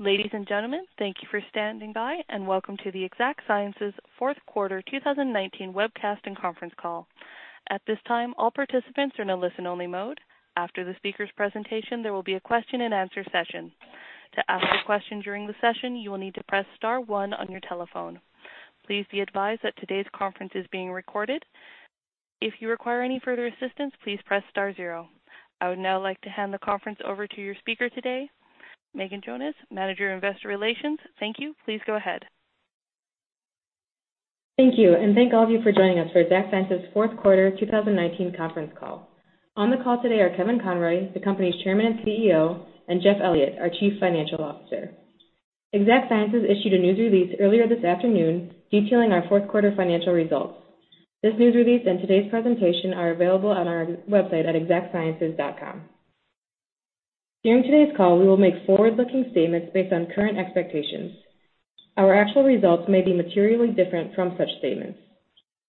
Ladies and gentlemen, thank you for standing by. And welcome to the Exact Sciences Fourth Quarter 2019 Webcast, and Conference Call. At this time, all participants are in a listen-only mode. After the speakers' presentation, there will be a question-and-answer session. To ask a question during the session, you will need to press star one on your telephone. Please be advised, that today's conference is being recorded. If you require any further assistance, please press star zero. I would now like to hand the conference over to your speaker today, Megan Jones, Manager of Investor Relations. Thank you. Please go ahead. Thank you, and thank all of you for joining us, for Exact Sciences' Fourth Quarter 2019 Conference Call. On the call today are Kevin Conroy, the company's Chairman and CEO, and Jeff Elliott, our Chief Financial Officer. Exact Sciences issued a news release earlier this afternoon, detailing our fourth quarter financial results. This news release, and today's presentation are available on our website at exactsciences.com. During today's call, we will make forward-looking statements, based on current expectations. Our actual results may be materially different from such statements.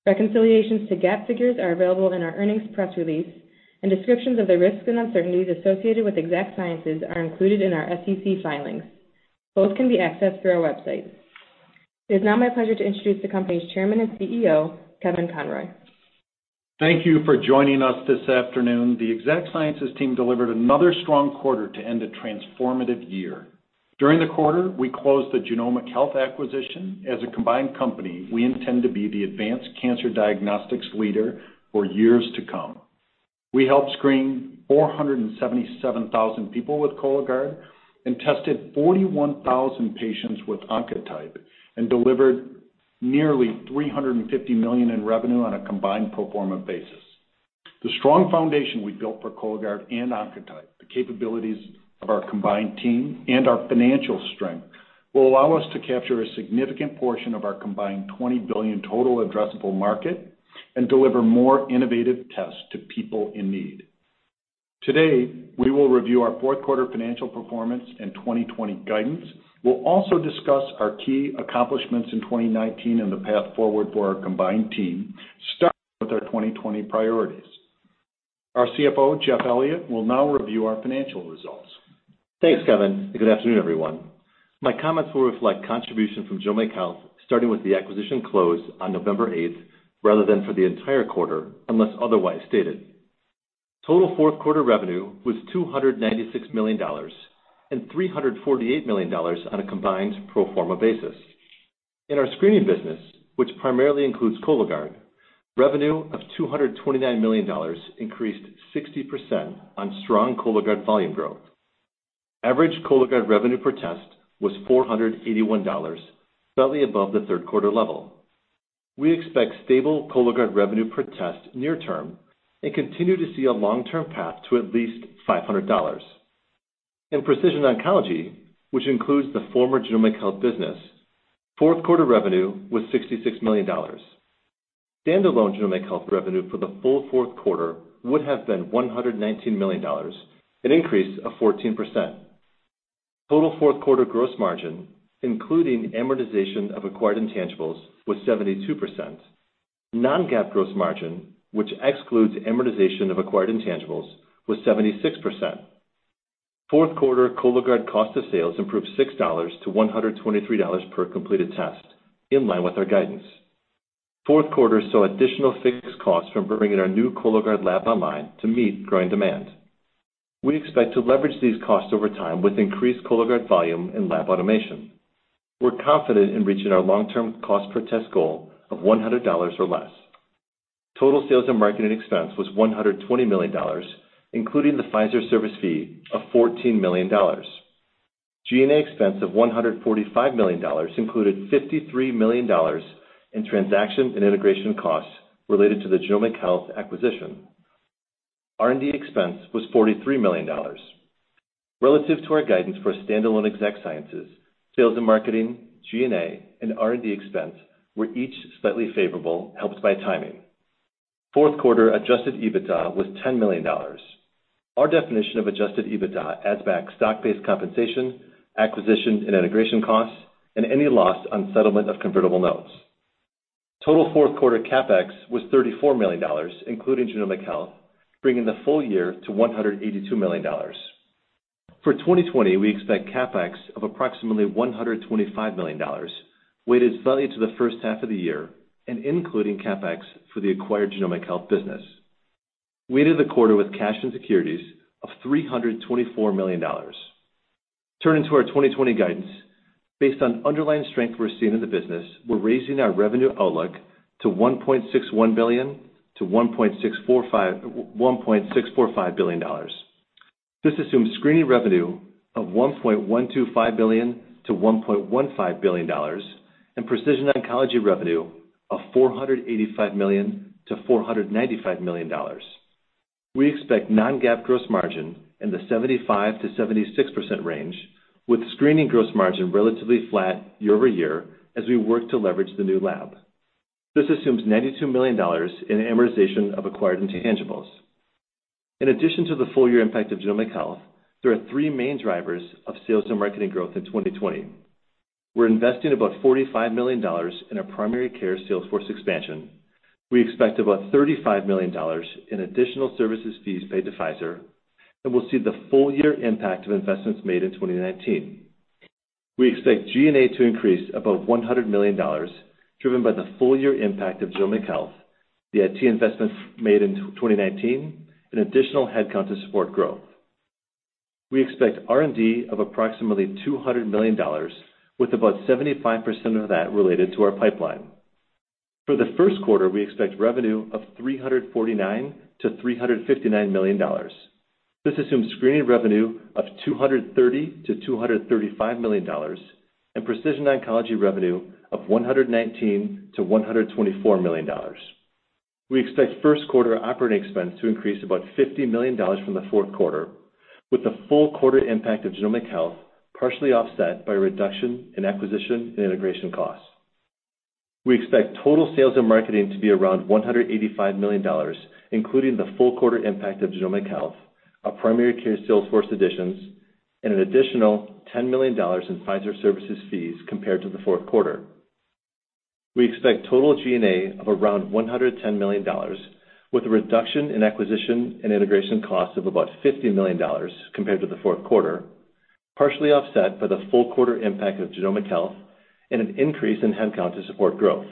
Reconciliations to GAAP figures, are available in our earnings press release. And descriptions of the risks, and uncertainties associated with Exact Sciences, are included in our SEC filings. Both can be accessed through our website. It is now my pleasure, to introduce the company's Chairman and CEO, Kevin Conroy. Thank you for joining us this afternoon. The Exact Sciences team delivered another strong quarter, to end a transformative year. During the quarter, we closed the Genomic Health acquisition. As a combined company, we intend to be the advanced cancer diagnostics leader, for years to come. We helped screen 477,000 people with Cologuard, and tested 41,000 patients with Oncotype. And delivered nearly $350 million, in revenue on a combined pro forma basis. The strong foundation we've built for Cologuard, and Oncotype. The capabilities of our combined team, and our financial strength. Will allow us, to capture a significant portion. Of our combined $20 billion total addressable market, and deliver more innovative tests, to people in need. Today, we will review our fourth quarter financial performance, and 2020 guidance. We'll also discuss our key accomplishments in 2019, and the path forward for our combined team. Starting with our 2020 priorities. Our CFO, Jeff Elliott, will now review our financial results. Thanks, Kevin. Good afternoon, everyone. My comments will reflect contribution from Genomic Health. Starting with the acquisition close on November 8th. Rather than for the entire quarter, unless otherwise stated. Total fourth quarter revenue was $296 million, and $348 million on a combined pro forma basis. In our screening business, which primarily includes Cologuard. Revenue of $229 million, increased 60% on strong Cologuard volume growth. Average Cologuard revenue per test was $481, slightly above the third quarter level. We expect stable Cologuard revenue per test near-term, and continue to see a long-term path to at least $500. In Precision Oncology, which includes the former Genomic Health business. Fourth quarter revenue was $66 million. Standalone Genomic Health revenue for the full fourth quarter. Would have been $119 million, an increase of 14%. Total fourth quarter gross margin, including amortization of acquired intangibles, was 72%. Non-GAAP gross margin, which excludes amortization of acquired intangibles, was 76%. Fourth quarter Cologuard cost of sales, improved $6-$123 per completed test, in line with our guidance. Fourth quarter saw additional fixed costs, from bringing our new Cologuard lab online, to meet growing demand. We expect to leverage these costs over time. With increased Cologuard volume, and lab automation. We're confident in reaching, our long-term cost per test goal of $100 or less. Total sales, and marketing expense was $120 million. Including the Pfizer service fee of $14 million. G&A expense of $145 million, included $53 million in transaction. And integration costs related, to the Genomic Health acquisition. R&D expense was $43 million. Relative to our guidance for standalone Exact Sciences. Sales and marketing, G&A, and R&D expense were each slightly favorable, helped by timing. Fourth quarter adjusted EBITDA was $10 million. Our definition of adjusted EBITDA, adds back stock-based compensation. Acquisition and integration costs, and any loss on settlement of convertible notes. Total fourth quarter CapEx was $34 million. Including Genomic Health, bringing the full year to $182 million. For 2020, we expect CapEx of approximately $125 million. Weighted slightly, to the first half of the year. And including CapEx, for the acquired Genomic Health business. We ended the quarter with cash, and securities of $324 million. Turning to our 2020 guidance, based on underlying strength we're seeing in the business. We're raising our revenue outlook, to $1.61 billion-$1.645 billion. This assumes Screening revenue of $1.125 billion-$1.15 billion. And Precision Oncology revenue of $485 million-$495 million. We expect non-GAAP gross margin in the 75%-76% range. With screening gross margin relatively flat year-over-year. As we work to leverage the new lab. This assumes $92 million, in amortization of acquired intangibles. In addition to the full year impact of Genomic Health. There are three main drivers of sales, and marketing growth in 2020. We're investing about $45 million, in our primary care sales force expansion. We expect about $35 million, in additional services fees paid to Pfizer. And we'll see the full year impact of investments made in 2019. We expect G&A, to increase above $100 million. Driven by the full year impact of Genomic Health, the IT investments made in 2019. And additional headcount to support growth. We expect R&D of approximately $200 million, with about 75% of that related to our pipeline. For the first quarter, we expect revenue of $349 million-$359 million. This assumes Screening revenue of $230 million-$235 million, and Precision Oncology revenue of $119 million-$124 million. We expect first quarter operating expense, to increase $50 million from the fourth quarter. With the full quarter impact of Genomic Health. Partially, offset by a reduction in acquisition, and integration costs. We expect total sales, and marketing to be $185 million. Including the full quarter impact of Genomic Health, our primary care sales force additions. And an additional $10 million in Pfizer services fees, compared to the fourth quarter. We expect total G&A around $110 million. With a reduction in acquisition, and integration costs of $50 million, compared to the fourth quarter. Partially offset, by the full quarter impact of Genomic Health. And an increase in headcount to support growth.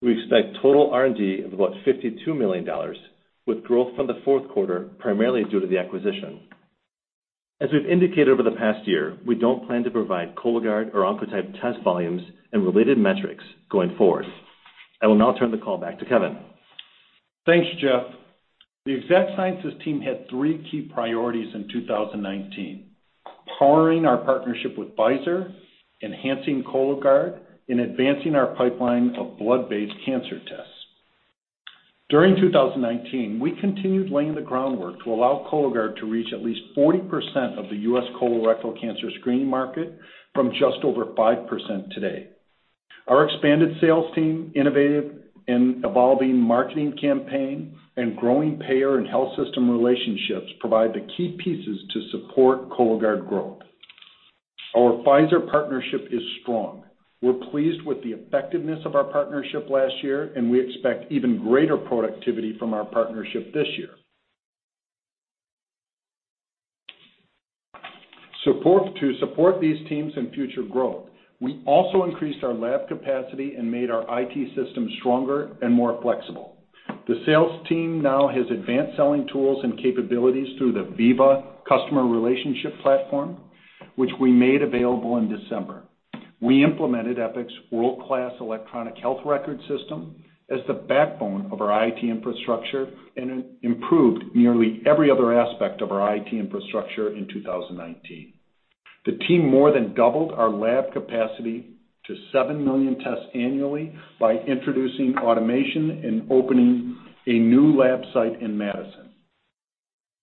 We expect total R&D of $52 million, with growth from the fourth quarter. Primarily, due to the acquisition. As we've indicated over the past year, we don't plan to provide. Cologuard or Oncotype test volumes, and related metrics going forward. I will now turn the call back to Kevin. Thanks, Jeff. The Exact Sciences team, had three key priorities in 2019. Powering our partnership with Pfizer, enhancing Cologuard, and advancing our pipeline of blood-based cancer tests. During 2019, we continued laying the groundwork. To allow Cologuard to reach, at least 40% of the U.S. colorectal cancer screening market. From just over 5% today. Our expanded sales team, innovative, and evolving marketing campaign. And growing payer, and health system relationships. Provide the key pieces, to support Cologuard growth. Our Pfizer partnership is strong. We're pleased with the effectiveness, of our partnership last year. We expect even greater productivity, from our partnership this year. Support these teams in future growth. We also increased our lab capacity. And made our IT system stronger, and more flexible. The sales team now has advanced selling tools, and capabilities. Through the Veeva customer relationship platform, which we made available in December. We implemented, Epic's world-class electronic health record system. As the backbone of our IT infrastructure, and improved nearly every other aspect, of our IT infrastructure in 2019. The team more than doubled our lab capacity. To 7 million tests annually, by introducing automation, and opening a new lab site in Madison.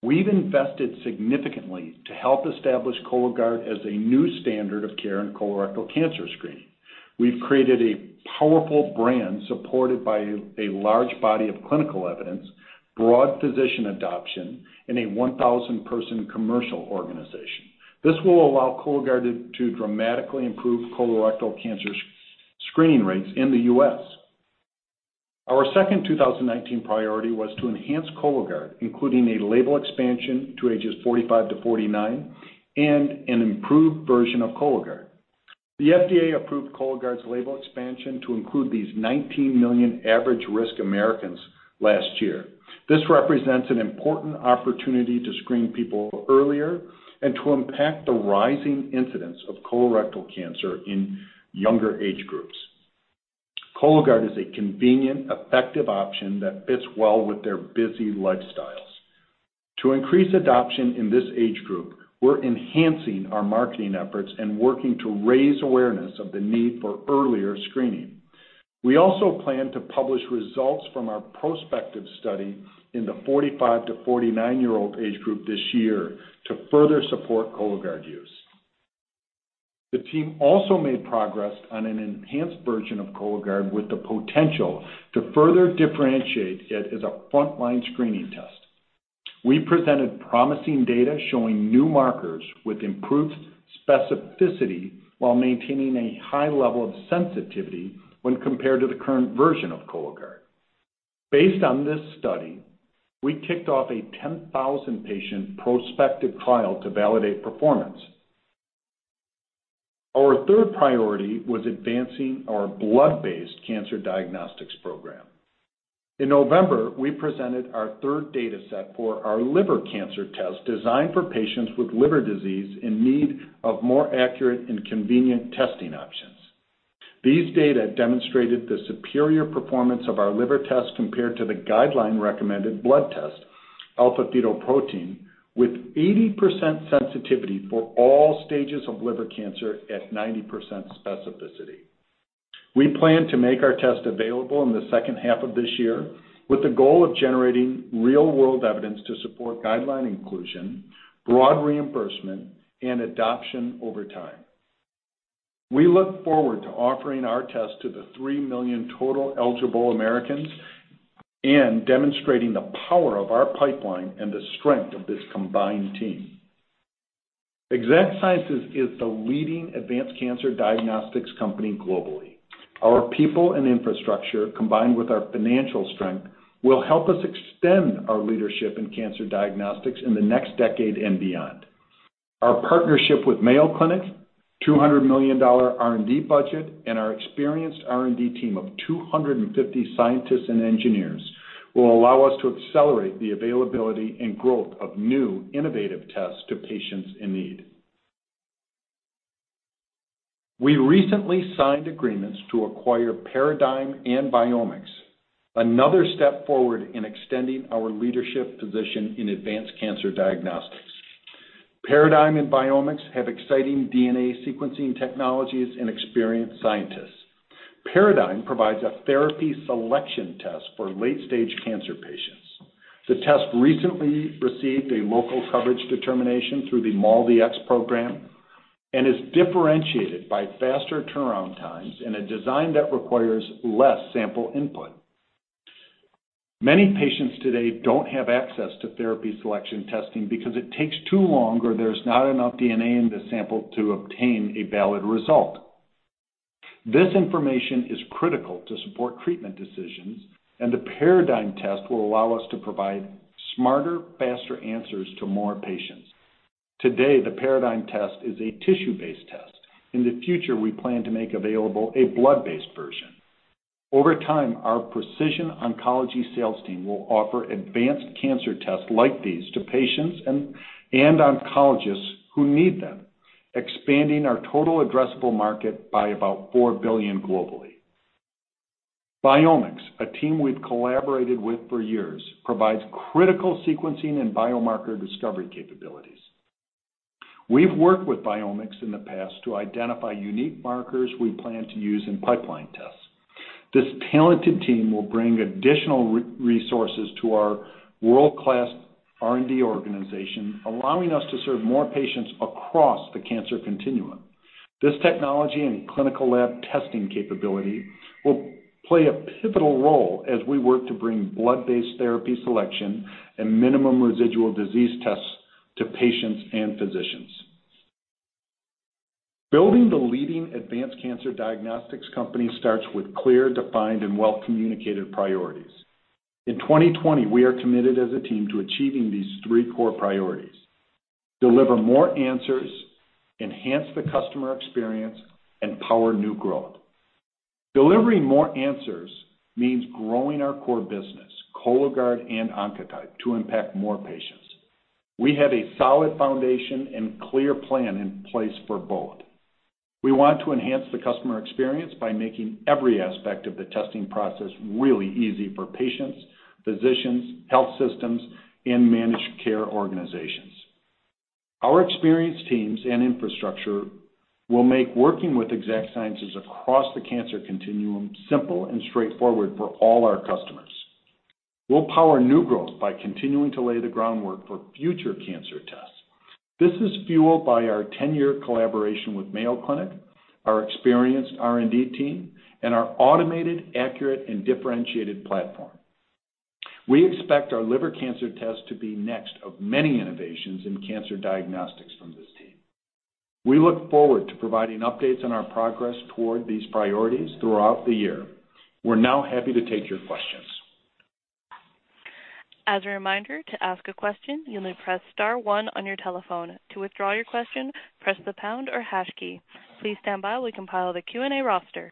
We've invested significantly, to help establish Cologuard. As a new standard of care, in colorectal cancer screening. We've created a powerful brand, supported by a large body of clinical evidence. Broad physician adoption, and a 1,000-person commercial organization. This will allow Cologuard, to dramatically improve colorectal cancer screening rates in the U.S. Our second 2019 priority, was to enhance Cologuard. Including a label expansion, to ages 45-49. And an improved version of Cologuard. The FDA approved Cologuard's label expansion, to include these 19 million average-risk Americans last year. This represents an important opportunity, to screen people earlier. And to impact, the rising incidence of colorectal cancer in younger age groups. Cologuard is a convenient, effective option. That fits well, with their busy lifestyles. To increase adoption, in this age group. We're enhancing our marketing efforts, and working to raise awareness, of the need for earlier screening. We also plan to publish results, from our prospective study. In the 45-49-year-old age group this year, to further support Cologuard use. The team also made progress, on an enhanced version of Cologuard. With the potential to further differentiate, it as a frontline screening test. We presented promising data, showing new markers. With improved specificity, while maintaining a high level of sensitivity. When compared to the current version of Cologuard. Based on this study, we kicked off a 10,000-patient prospective trial, to validate performance. Our third priority, was advancing our blood-based cancer diagnostics program. In November, we presented our third data set, for our liver cancer test. Designed for patients, with liver disease. In need of more accurate, and convenient testing options. These data demonstrated, the superior performance of our liver test. Compared to the guideline-recommended blood test, alpha fetoprotein. With 80% sensitivity, for all stages of liver cancer, at 90% specificity. We plan to make our test available, in the second half of this year. With the goal of generating real-world evidence, to support guideline inclusion. Broad reimbursement, and adoption over time. We look forward to offering our test, to the 3 million total eligible Americans. Demonstrating the power of our pipeline, and the strength of this combined team. Exact Sciences is the leading advanced cancer diagnostics company globally. Our people and infrastructure, combined with our financial strength. Will help us extend, our leadership in cancer diagnostics in the next decade, and beyond. Our partnership with Mayo Clinic, $200 million R&D budget. And our experienced R&D team of 250 scientists, and engineers. Will allow us to accelerate the availability, and growth of new innovative tests, to patients in need. We recently signed agreements to acquire Paradigm, and Viomics. Another step forward, in extending our leadership position, in advanced cancer diagnostics. Paradigm and Viomics, have exciting DNA sequencing technologies, and experienced scientists. Paradigm provides a therapy selection test, for late-stage cancer patients. The test recently, received a local coverage determination. Through the MolDX program, and is differentiated. By faster turnaround times, and a design that requires less sample input. Many patients today, don't have access to therapy selection testing. Because it takes too long, or there's not enough DNA in the sample. To obtain a valid result. This information is critical, to support treatment decisions. The Paradigm test will allow us, to provide smarter, faster answers to more patients. Today, the Paradigm test is a tissue-based test. In the future, we plan to make available a blood-based version. Over time, our Precision Oncology sales team, will offer advanced cancer tests like these. To patients, and oncologists who need them. Expanding our total addressable market, by about $4 billion globally. Viomics, a team we've collaborated with for years. Provides critical sequencing, and biomarker discovery capabilities. We've worked with Viomics in the past, to identify unique markers. We plan to use in pipeline tests. This talented team, will bring additional resources. To our world-class R&D organization, allowing us to serve more patients, across the cancer continuum. This technology, and clinical lab testing capability. Will play a pivotal role, as we work to bring blood-based therapy selection. And minimal residual disease tests to patients, and physicians. Building the leading advanced cancer diagnostics company. Starts with clear, defined, and well-communicated priorities. In 2020, we are committed as a team. To achieving these three core priorities. Deliver more answers, enhance the customer experience, and power new growth. Delivering more answers, means growing our core business. Cologuard and Oncotype, to impact more patients. We have a solid foundation, and clear plan in place for both. We want to enhance the customer experience. By making every aspect of the testing process, really easy for patients. Physicians, health systems, and managed care organizations. Our experienced teams, and infrastructure will make working with Exact Sciences. Across the cancer continuum simple, and straightforward for all our customers. We'll power new growth, by continuing to lay the groundwork, for future cancer tests. This is fueled, by our 10-year collaboration with Mayo Clinic. Our experienced R&D team, and our automated, accurate, and differentiated platform. We expect our liver cancer test, to be next of many innovations. In cancer diagnostics, from this team. We look forward, to providing updates on our progress. Toward these priorities, throughout the year. We're now happy, to take your questions. As a reminder, to ask a question. You may press star one on your telephone. To withdraw your question, press the pound or hash key. Please stand by, while we compile the Q&A roster.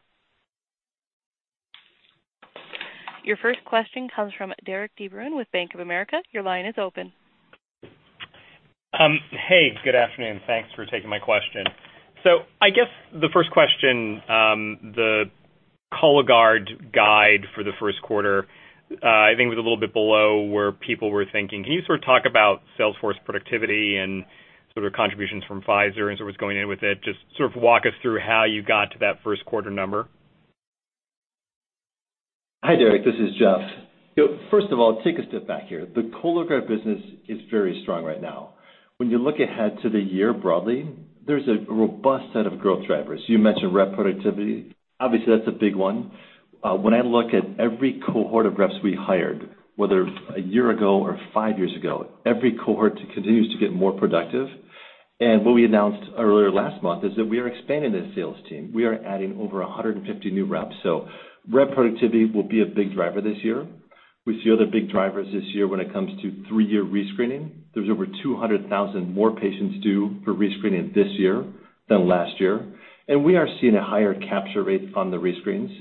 Your first question comes from, Derik De Bruin with Bank of America. Your line is open. Hey, good afternoon. Thanks for taking my question. I guess the first question, the Cologuard guide for the first quarter. I think was a little bit below, where people were thinking? Can you talk about sales force productivity, and contributions from Pfizer? And so, what's going in with it? Just walk us through, how you got to that first quarter number? Hi, Derik, this is Jeff. First of all, take a step back here. The Cologuard business is very strong right now. When you look ahead, to the year broadly. There's a robust set of growth drivers. You mentioned rep productivity. Obviously, that's a big one. When I look at every cohort of reps we hired. Whether a year ago or five years ago. Every cohort continues, to get more productive. What we announced earlier last month, is that we are expanding the sales team. We are adding over 150 new reps. Rep productivity, will be a big driver this year. We see other big drivers this year, when it comes to three-year rescreening. There's over 200,000 more patients, due for rescreening this year than last year. And we are seeing, a higher capture rate on the rescreens.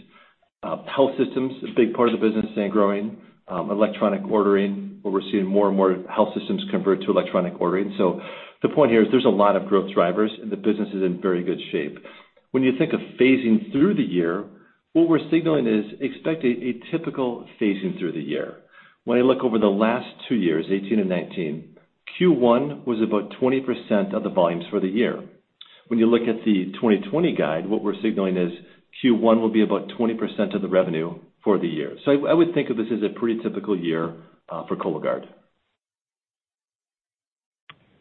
Health systems are a big part of the business, and growing. Electronic ordering, where we're seeing more, and more health systems, convert to electronic ordering. The point here is there's a lot of growth drivers, and the business is in very good shape. When you think of phasing through the year. What we're signaling is expect, a typical phasing through the year. When I look over the last two years, 2018 and 2019. Q1 was about 20% of the volumes for the year. When you look at the 2020 guide. What we're signaling is Q1, will be about 20% of the revenue for the year. I would think of this, as a pretty typical year for Cologuard.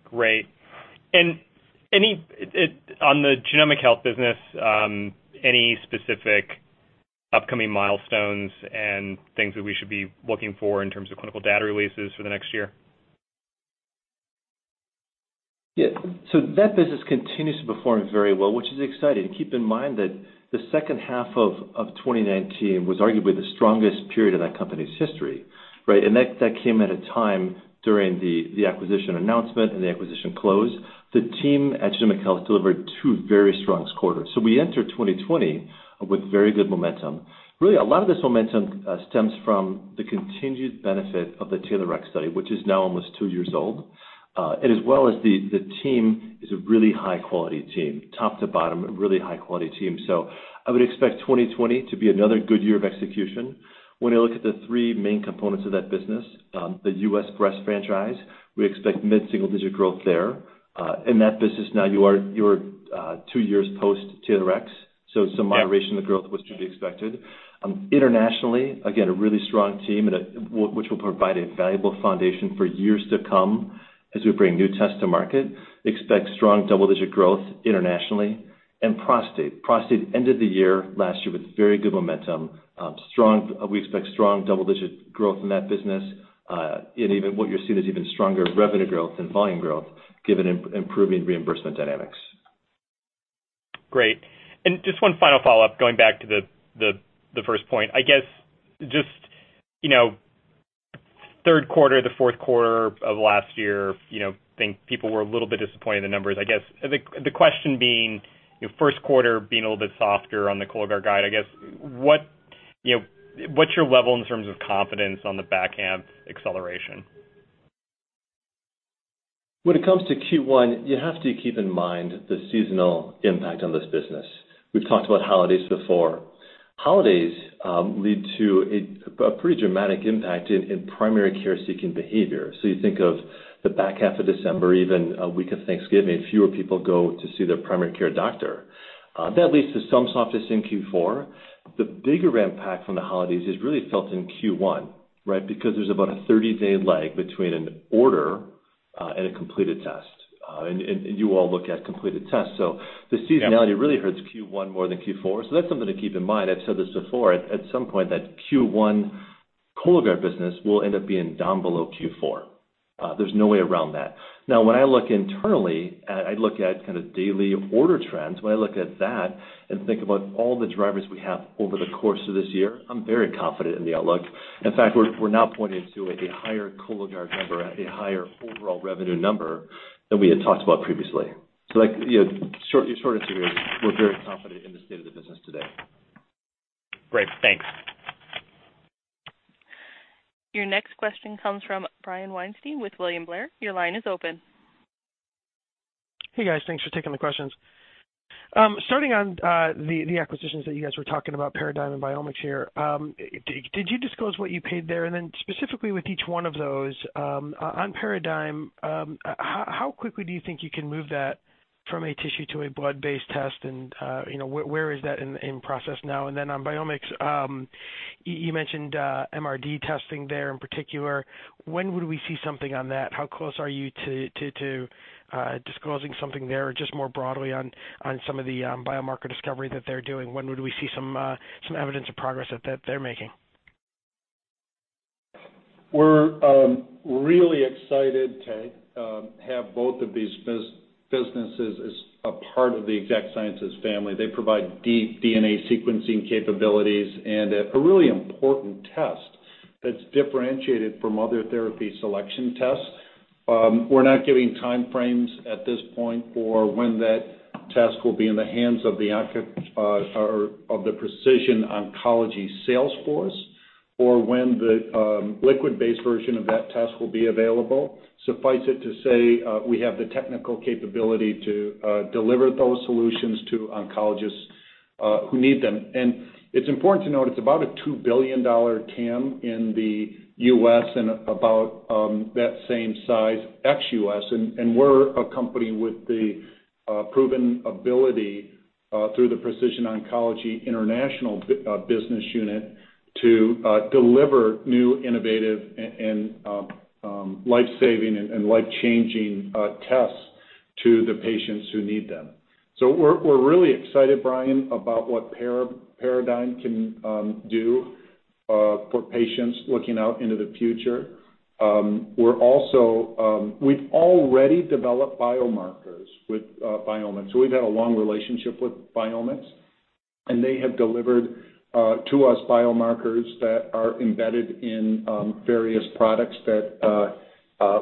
Great. On the Genomic Health business, any specific upcoming milestones? And things that we should be looking for, in terms of clinical data releases for the next year? Yeah. That business continues to perform very well, which is exciting. Keep in mind that, the second half of 2019. Was arguably, the strongest period of that company's history, right? That came at a time during the acquisition announcement, and the acquisition close. The team at Genomic Health, delivered two very strong quarters. We entered 2020, with very good momentum. Really, a lot of this momentum stems, from the continued benefit of the TAILORx study. Which is now almost two years old. As well as the team, is a really high-quality team. Top to bottom, a really high-quality team. I would expect 2020, to be another good year of execution. When I look at the three main components of that business. The U.S. breast franchise, we expect mid-single-digit growth there. In that business now, you are two years post TAILORx. Some moderation of growth, was to be expected. Internationally, again, a really strong team. Which will provide, a valuable foundation for years to come. As we bring new tests to market. Expect strong double-digit growth internationally. Prostate. Prostate ended the year last year, with very good momentum. We expect strong double-digit growth in that business. Even what you're seeing is even stronger revenue growth. Than volume growth, given improving reimbursement dynamics. Great. Just one final follow-up, going back to the first point. I guess just third quarter, the fourth quarter of last year. I think people were a little bit, disappointed in the numbers. I guess the question being, first quarter being a little bit softer on the Cologuard guide. I guess, what's your level in terms of confidence on the back half acceleration? When it comes to Q1, you have to keep in mind. The seasonal impact on this business. We've talked about holidays before. Holidays lead to a pretty dramatic impact, in primary care-seeking behavior. You think of the back half of December, even a week of Thanksgiving. Fewer people go, to see their primary care doctor. That leads to some softness in Q4. The bigger impact, from the holidays is really felt in Q1, right? Because there's about a 30-day lag between an order, and a completed test. You all look at completed tests. So, the seasonality really hurts, Q1 more than Q4. That's something to keep in mind. I've said this before, at some point that Q1 Cologuard business. Will end up, being down below Q4. There's no way around that. When I look internally, I look at kind of daily order trends. When I look at that, and think about all the drivers. We have over the course of this year, I'm very confident in the outlook. In fact, we're now pointing to a higher Cologuard number. At a higher overall revenue number, than we had talked about previously. Short answer is, we're very confident in the state of the business today. Great, thanks. Your next question comes from, Brian Weinstein with William Blair. Your line is open. Hey, guys. Thanks for taking the questions. On the acquisitions, that you guys were talking about, Paradigm and Viomics here. Did you disclose what you paid there? Specifically with each one of those, on Paradigm. How quickly do you think you can move that, from a tissue to a blood-based test? Where is that in process now? On Viomics, you mentioned MRD testing there in particular. When would we see something on that? How close are you, to disclosing something there? Or just more broadly, on some of the biomarker discovery that they're doing? When would we see, some evidence of progress that they're making? We're really excited, to have both of these businesses, as a part of the Exact Sciences family. They provide deep DNA sequencing capabilities, and a really important test. That's differentiated, from other therapy selection tests. We're not giving time frames at this point. For when that test, will be in the hands of the Precision Oncology sales force. Or when the liquid-based version of that test, will be available. Suffice it to say, we have the technical capability. To deliver those solutions, to oncologists who need them. It's important to note, it's about a $2 billion TAM. In the U.S., and about that same size ex-U.S. We're a company, with the proven ability. Through the Precision Oncology International business unit, to deliver new, innovative, and life-saving. And life-changing tests, to the patients who need them. We're really excited, Brian. About what Paradigm can do for patients, looking out into the future. We've already developed biomarkers with Viomics, so we've had a long relationship with Viomics. And they have delivered to us biomarkers, that are embedded in various products. That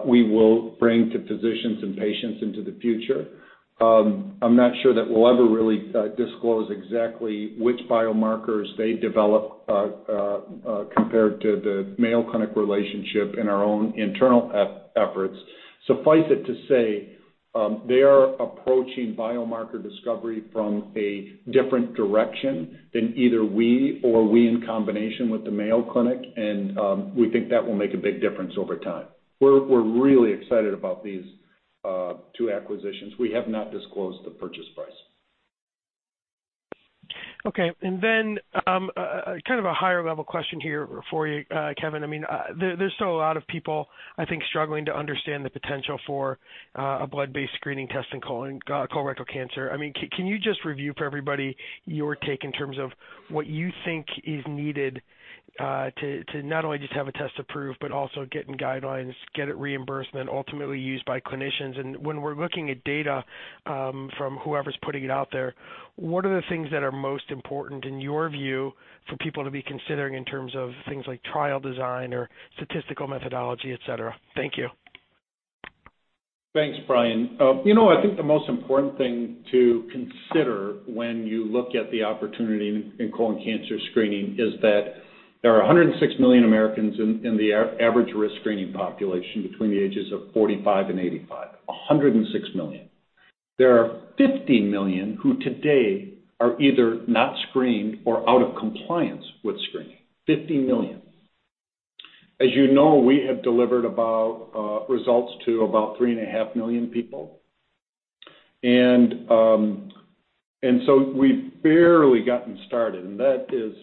we will bring to physicians, and patients into the future. I'm not sure, that we'll ever really disclose exactly. Which biomarkers they develop compared, to the Mayo Clinic relationship, and our own internal efforts. Suffice it to say, they are approaching biomarker discovery. From a different direction, than either we. Or we in combination, with the Mayo Clinic. And we think, that will make a big difference over time. We're really excited, about these two acquisitions. We have not disclosed the purchase price. Okay. Kind of a higher level question here for you, Kevin. There's still a lot of people, I think, struggling to understand. The potential for a blood-based screening test in colorectal cancer. Can you just review for everybody, your take in terms of? What you think is needed? To not only just have a test approved, but also get in guidelines. Get it reimbursement, ultimately used by clinicians. When we're looking at data, from whoever's putting it out there? What are the things that are most important, in your view? For people to be considering in terms of things, like trial design or statistical methodology, et cetera? Thank you. Thanks, Brian. I think the most important thing to consider. When you look at the opportunity, in colon cancer screening is that. There are 106 million Americans, in the average risk screening population. Between the ages of 45 and 85, 106 million. There are 50 million who today, are either not screened, or out of compliance with screening, 50 million. As you know, we have delivered results, to about 3.5 million people. We've barely gotten started, and that is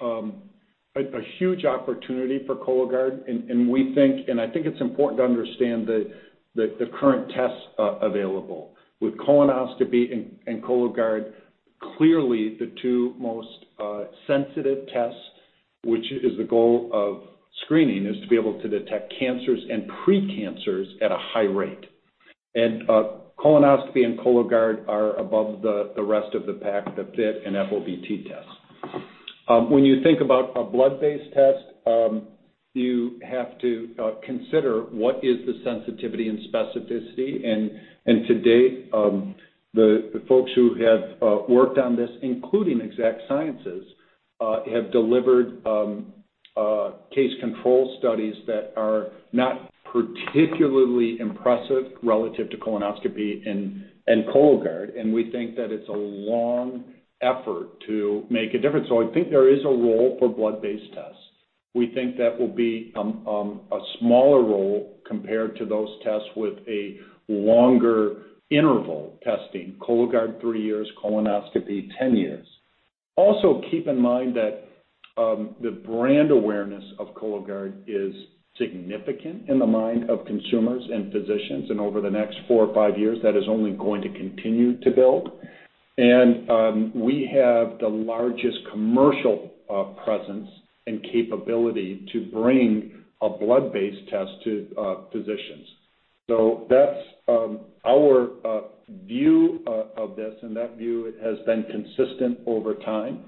a huge opportunity for Cologuard. I think it's important, to understand the current tests available. With colonoscopy, and Cologuard clearly the two most sensitive tests. Which is the goal of screening, is to be able to detect cancers, and pre-cancers at a high rate. Colonoscopy, and Cologuard are above the rest of the pack, the FIT and FOBT tests. When you think about a blood-based test, you have to consider. What is the sensitivity, and specificity? To date, the folks who have worked on this, including Exact Sciences. Have delivered case control studies, that are not particularly impressive. Relative to colonoscopy and Cologuard, and we think that it's a long effort to make a difference. I think there is a role for blood-based tests. We think that will be a smaller role, compared to those tests, with a longer interval testing. Cologuard, three years, colonoscopy, 10 years. Also, keep in mind that the brand awareness of Cologuard is significant. In the mind of consumers, and physicians, and over the next four or five years. That is only going to continue to build. We have the largest commercial presence, and capability. To bring a blood-based test to physicians. That's our view of this, and that view has been consistent over time.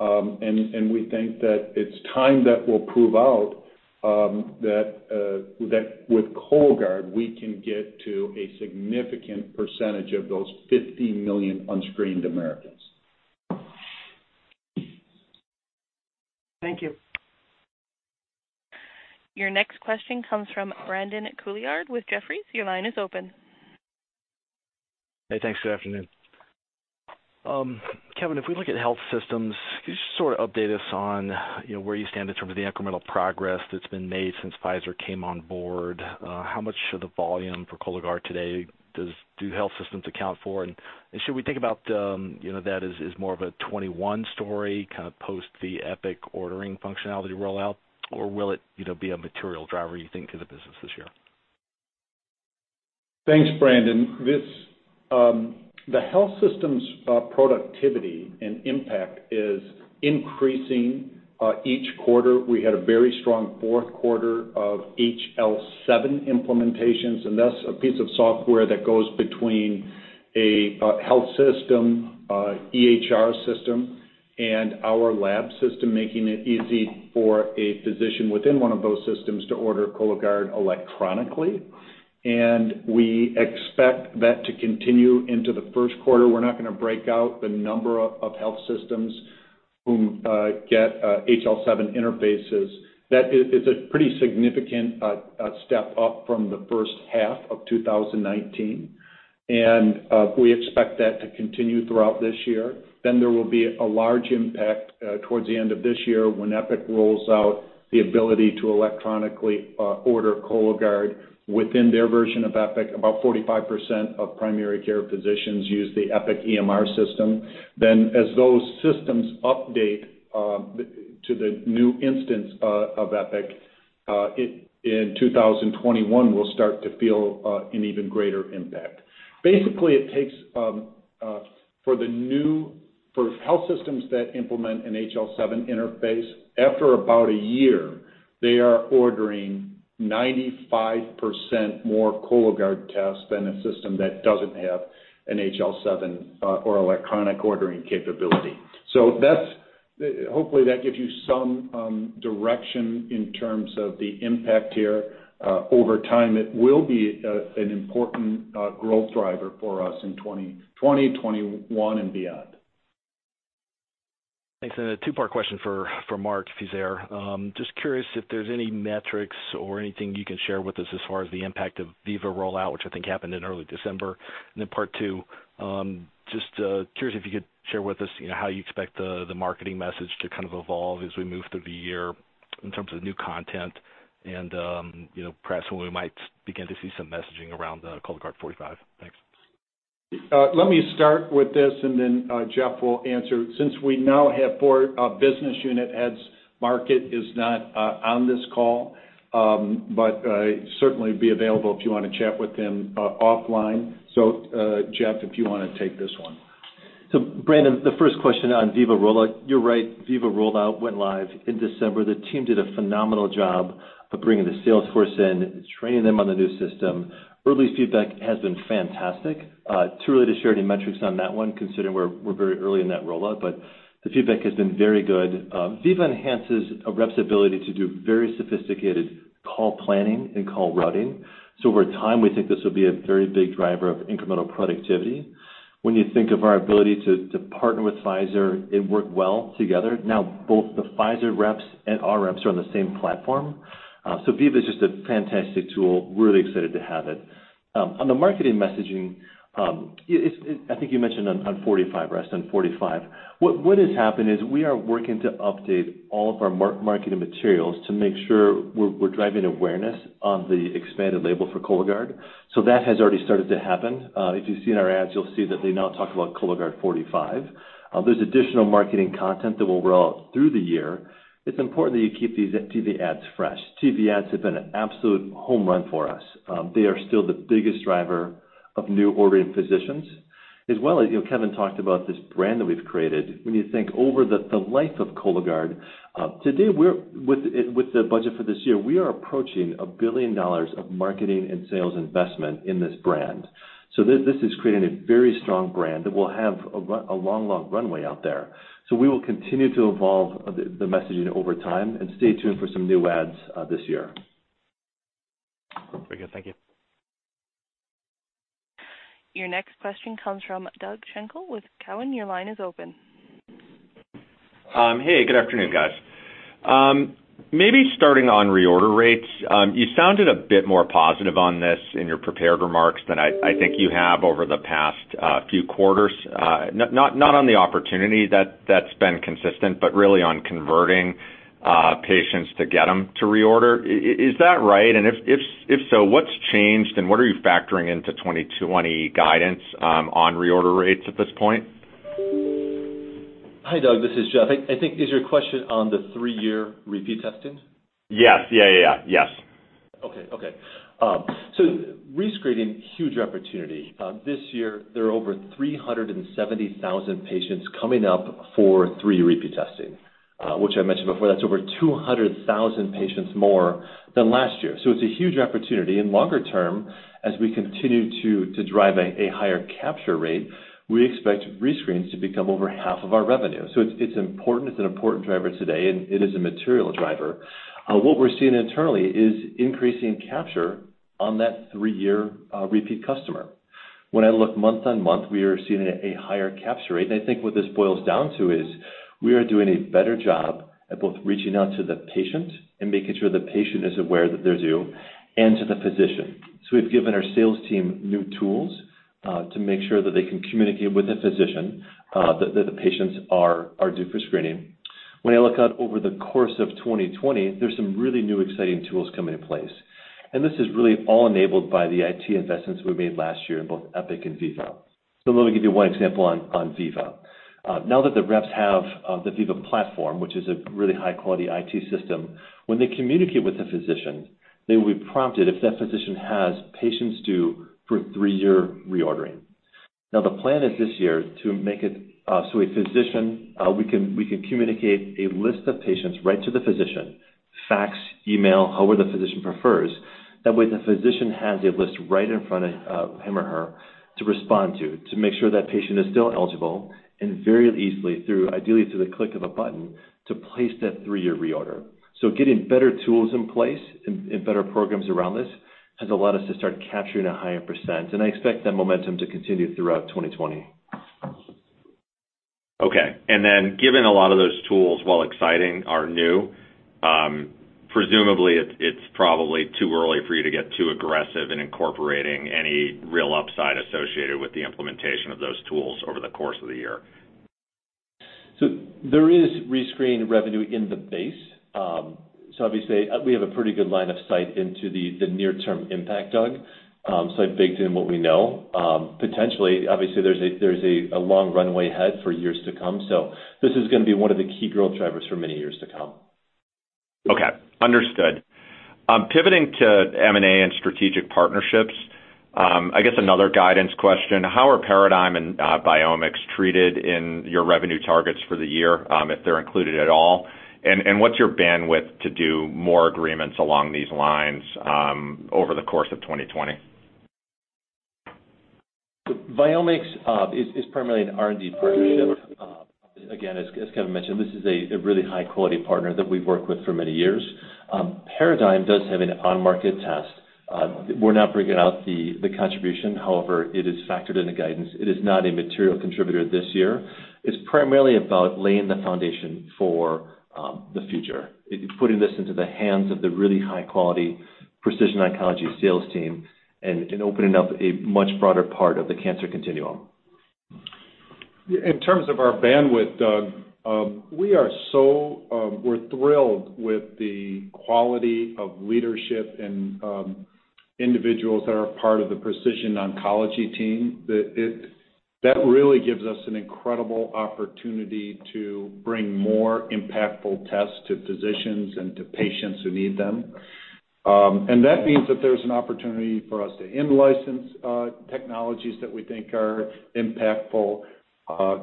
We think that it's time, that will prove out that with Cologuard. We can get to a significant percentage, of those 50 million unscreened Americans. Thank you. Your next question comes from, Brandon Couillard with Jefferies. Your line is open. Hey, thanks, good afternoon. Kevin, if we look at health systems, could you just sort of update us. On where you stand, in terms of the incremental progress? That's been made since Pfizer came on board? How much of the volume for Cologuard today, do health systems account for? Should we think about, that as more of a 21 story? Kind of post the Epic ordering functionality rollout, or will it be a material driver, you think, to the business this year? Thanks, Brandon. The health systems' productivity, and impact is increasing each quarter. We had a very strong fourth quarter of HL7 implementations. That's a piece of software, that goes between a health system, EHR system, and our lab system. Making it easy for a physician, within one of those systems, to order Cologuard electronically. We expect that to continue into the first quarter. We're not going to break out, the number of health systems, who get HL7 interfaces. That is a pretty significant step up, from the first half of 2019. We expect that, to continue throughout this year. There will be a large impact, towards the end of this year. When Epic rolls out the ability, to electronically order Cologuard, within their version of Epic. About 45% of primary care physicians use the Epic EMR system. As those systems update, to the new instance of Epic, in 2021. We'll start to feel an even greater impact. For health systems, that implement an HL7 interface. After about a year, they are ordering 95% more Cologuard tests. Than a system that doesn't have an HL7, or electronic ordering capability. Hopefully that gives you some direction, in terms of the impact here. Over time, it will be an important growth driver for us in 2020, 2021, and beyond. Thanks. A two-part question for Mark, if he's there. Just curious if there's any metrics, or anything you can share with us? As far as the impact of Veeva rollout, which I think happened in early December? Part two, just curious if you could share with us. How you expect the marketing message, to kind of evolve as we move through the year? In terms of new content, and perhaps. When we might begin to see, some messaging around the Cologuard 45? Thanks. Let me start with this, and then Jeff will answer. Since we now have four business unit heads, Mark is not on this call. But certainly, be available if you want, to chat with him offline. Jeff, if you want to take this one. Brandon, the first question on Veeva rollout. You're right, Veeva rollout went live in December. The team did a phenomenal job, of bringing the sales force in. And training them, on the new system. Early feedback has been fantastic. Too early to share any metrics on that one. Considering we're very early in that rollout, but the feedback has been very good. Veeva enhances a rep's ability, to do very sophisticated call planning, and call routing. Over time, we think this will be a very big driver of incremental productivity. When you think of our ability, to partner with Pfizer. It worked well together. Now, both the Pfizer reps, and our reps are on the same platform. Veeva is just a fantastic tool. Really excited to have it. On the marketing messaging, I think you mentioned on 45, rest on 45. What has happened, is we are working to update. All of our marketing materials, to make sure we're driving awareness, on the expanded label for Cologuard. That has already started to happen. If you've seen our ads, you'll see that they now talk about Cologuard 45. There's additional marketing content, that will roll out through the year. It's important that you keep these TV ads fresh. TV ads have been an absolute home run for us. They are still the biggest driver of new ordering physicians. As well, Kevin talked about this brand that we've created. When you think over the life of Cologuard, today, with the budget for this year. We are approaching $1 billion of marketing, and sales investment in this brand. This has created a very strong brand, that will have a long runway out there. We will continue, to evolve the messaging over time. And stay tuned for some new ads, this year. Very good, thank you. Your next question comes from, Doug Schenkel with Cowen. Your line is open. Hey, good afternoon, guys. Starting on reorder rates, you sounded a bit more positive on this. In your prepared remarks, than I think you have over the past few quarters? Not on the opportunity, that's been consistent. But really on converting patients, to get them to reorder. Is that right? If so, what's changed, and what are you factoring into 2020 guidance, on reorder rates at this point? Hi, Doug. This is Jeff. I think, is your question on the three-year repeat testing? Yes. Okay. Rescreening, huge opportunity. This year there are over, 370,000 patients coming up. For three-year repeat testing, which I mentioned before. That's over 200,000 patients more than last year. It's a huge opportunity. Longer term, as we continue to drive a higher capture rate. We expect rescreens, to become over half of our revenue. It's important. It's an important driver today, and it is a material driver. What we're seeing internally, is increasing capture, on that three-year repeat customer. When I look month-on-month, we are seeing a higher capture rate. And I think what this boils down to is. We are doing a better job, at both reaching out to the patient. And making sure the patient is aware. That they're due, and to the physician. We've given our sales team new tools. To make sure that they can communicate, with the physician. That the patients are due for screening. When I look out, over the course of 2020. There's some really new exciting tools coming in place, and this is really all enabled. By the IT investments we made last year in both Epic, and Veeva. Let me give you one example on Veeva. Now that the reps, have the Veeva platform. Which is a really high-quality IT system. When they communicate with the physician, they will be prompted. If that physician has patients, due for three-year reordering. Now the plan is this year, to make it so a physician. We can communicate a list of patients. Right to the physician, fax, email, however the physician prefers. That way, the physician has a list right in front of him or her. To respond to make sure, that patient is still eligible. And very easily through, ideally, through the click of a button. To place that three-year reorder. Getting better tools in place, and better programs around this. Has allowed us, to start capturing a higher percent. And I expect that momentum, to continue throughout 2020. Okay. Given a lot of those tools, while exciting, are new. Presumably it's probably, too early for you to get too aggressive in incorporating. Any real upside associated, with the implementation of those tools, over the course of the year. There is rescreen revenue in the base. Obviously, we have a pretty good line of sight, into the near-term impact, Doug. I've baked in, what we know? Potentially, obviously there's a long runway ahead for years to come. So, this is going to be one of the key growth drivers, for many years to come. Okay, understood. Pivoting to M&A, and strategic partnerships. I guess, another guidance question. How are Paradigm, and Viomics treated in your revenue targets for the year, if they're included at all? What's your bandwidth, to do more agreements along these lines, over the course of 2020? Viomics is primarily an R&D partnership. Again, as Kevin mentioned, this is a really high-quality partner. That we've worked with for many years. Paradigm does have an on-market test. We're not breaking out the contribution, however, it is factored in the guidance. It is not a material contributor this year. It's primarily, about laying the foundation for the future. It's putting this into the hands, of the really high-quality Precision Oncology sales team. And opening up a much broader part of the cancer continuum. In terms of our bandwidth, Doug. We're thrilled, with the quality of leadership. And individuals that are a part of the Precision Oncology team. That really gives us an incredible opportunity, to bring more impactful tests. To physicians, and to patients who need them. That means, that there's an opportunity for us. To in-license technologies, that we think are impactful.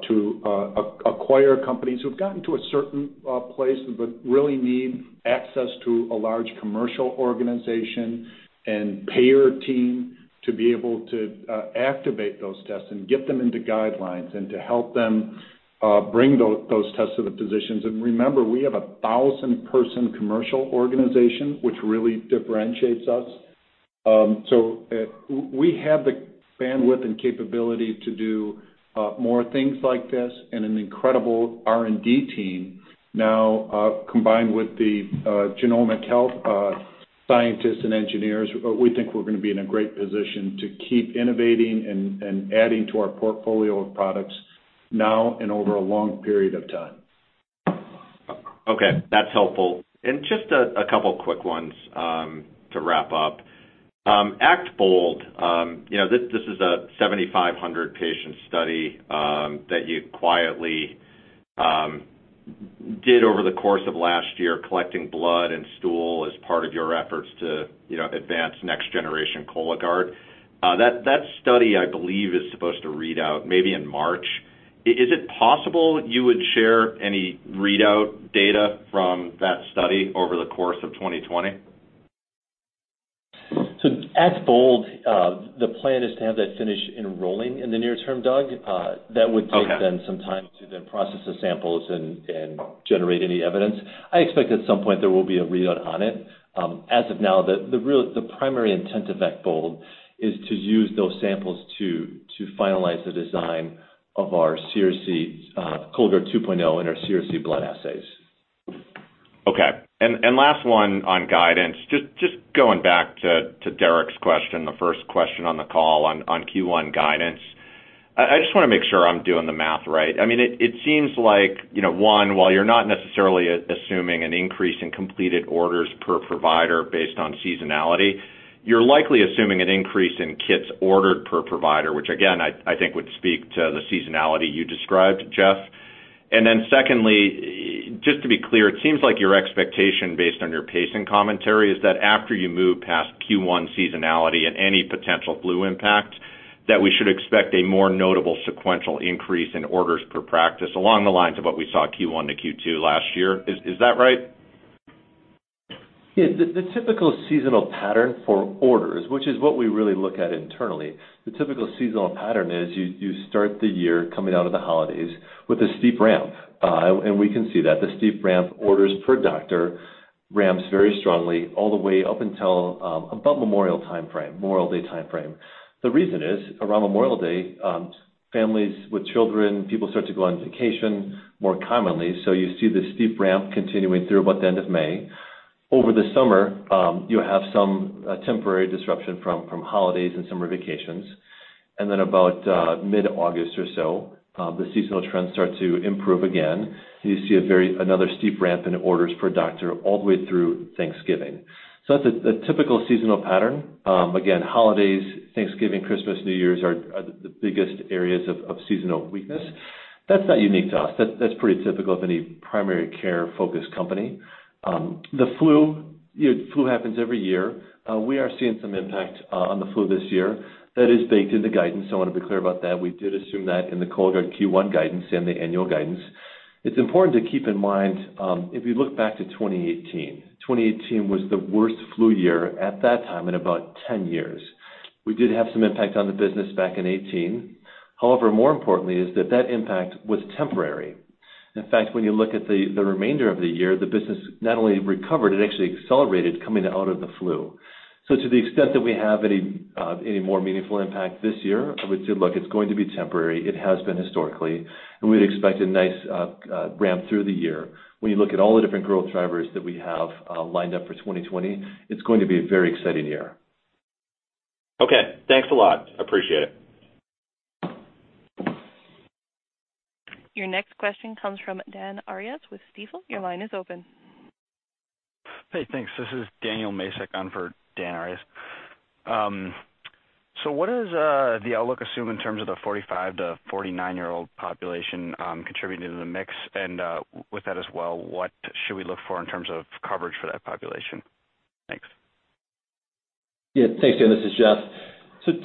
To acquire companies, who've gotten to a certain place. But really need access, to a large commercial organization. And payer team, to be able to activate those tests. And get them into guidelines, and to help them bring those tests to the physicians. Remember, we have 1,000-person commercial organization. Which really differentiates us. We have the bandwidth, and capability to do more things like this. And an incredible R&D team, now combined with the Genomic Health scientists, and engineers. We think, we're going to be in a great position. To keep innovating, and adding to our portfolio of products. Now and over a long period of time. Okay, that's helpful. Just a couple of quick ones to wrap up. Act Bold, this is a 7,500-patient study. That you quietly, did over the course of last year. Collecting blood, and stool as part of your efforts, to advance next-generation Cologuard. That study, I believe, is supposed to read out maybe in March. Is it possible you would share any readout data, from that study over the course of 2020? Act Bold, the plan is to have that finish enrolling in the near term, Doug. Okay. That would take then some time, to then process the samples, and generate any evidence. I expect at some point, there will be a readout on it. As of now, the primary intent of Act Bold is to use those samples. To finalize the design of our CRC Cologuard 2.0, and our CRC blood assays. Okay, last one on guidance. Just going back to Derik's question, the first question on the call on Q1 guidance. I just want to make sure, I'm doing the math right. It seems like, one, while you're not necessarily assuming. An increase in completed orders, per provider based on seasonality. You're likely assuming, an increase in kits ordered per provider. Which again, I think would speak to the seasonality you described, Jeff? Then secondly, just to be clear, it seems like your expectation. Based on your pacing commentary, is that after you move past Q1 seasonality, and any potential flu impact? That we should expect, a more notable sequential increase, in orders per practice. Along the lines of, what we saw Q1-Q2 last year? Is that right? Yeah. The typical seasonal pattern for orders, which is what we really look at internally. The typical seasonal pattern is you start the year. Coming out of the holidays, with a steep ramp. We can see that. The steep ramp orders per doctor, ramps very strongly. All the way up until, about Memorial Day timeframe. The reason is, around Memorial Day, families with children. People start to go on vacation more commonly. You see this steep ramp, continuing through about the end of May. Over the summer, you have some temporary disruption from holidays, and summer vacations. Then about mid-August or so, the seasonal trends start to improve again. And you see another steep ramp, in orders per doctor all the way through Thanksgiving. That's a typical seasonal pattern. Again, holidays, Thanksgiving, Christmas, New Year's are the biggest areas of seasonal weakness. That's not unique to us. That's pretty typical of any primary care-focused company. The flu happens every year. We are seeing some impact, on the flu this year. That is baked into guidance, I want to be clear about that. We did assume that in the Cologuard Q1 guidance, and the annual guidance. It's important to keep in mind, if you look back to 2018. Was the worst flu year, at that time in about 10 years. We did have some impact, on the business back in 2018. However, more importantly is that that impact was temporary. In fact, when you look at the remainder of the year. The business not only recovered, it actually, accelerated coming out of the flu. To the extent that we have, any more meaningful impact this year. I would say, look, it's going to be temporary. It has been historically, and we'd expect a nice ramp through the year. When you look, at all the different growth drivers, that we have lined up for 2020. It's going to be a very exciting year. Okay, thanks a lot. Appreciate it. Your next question comes from, Dan Arias with Stifel. Your line is open. Hey, thanks. This is Daniel Masek, on for Dan Arias. What does the outlook assume, in terms of the 45-49-year-old population contributing to the mix? With that as well, what should we look, for in terms of coverage for that population? Thanks. Yeah, thanks, Dan. This is Jeff.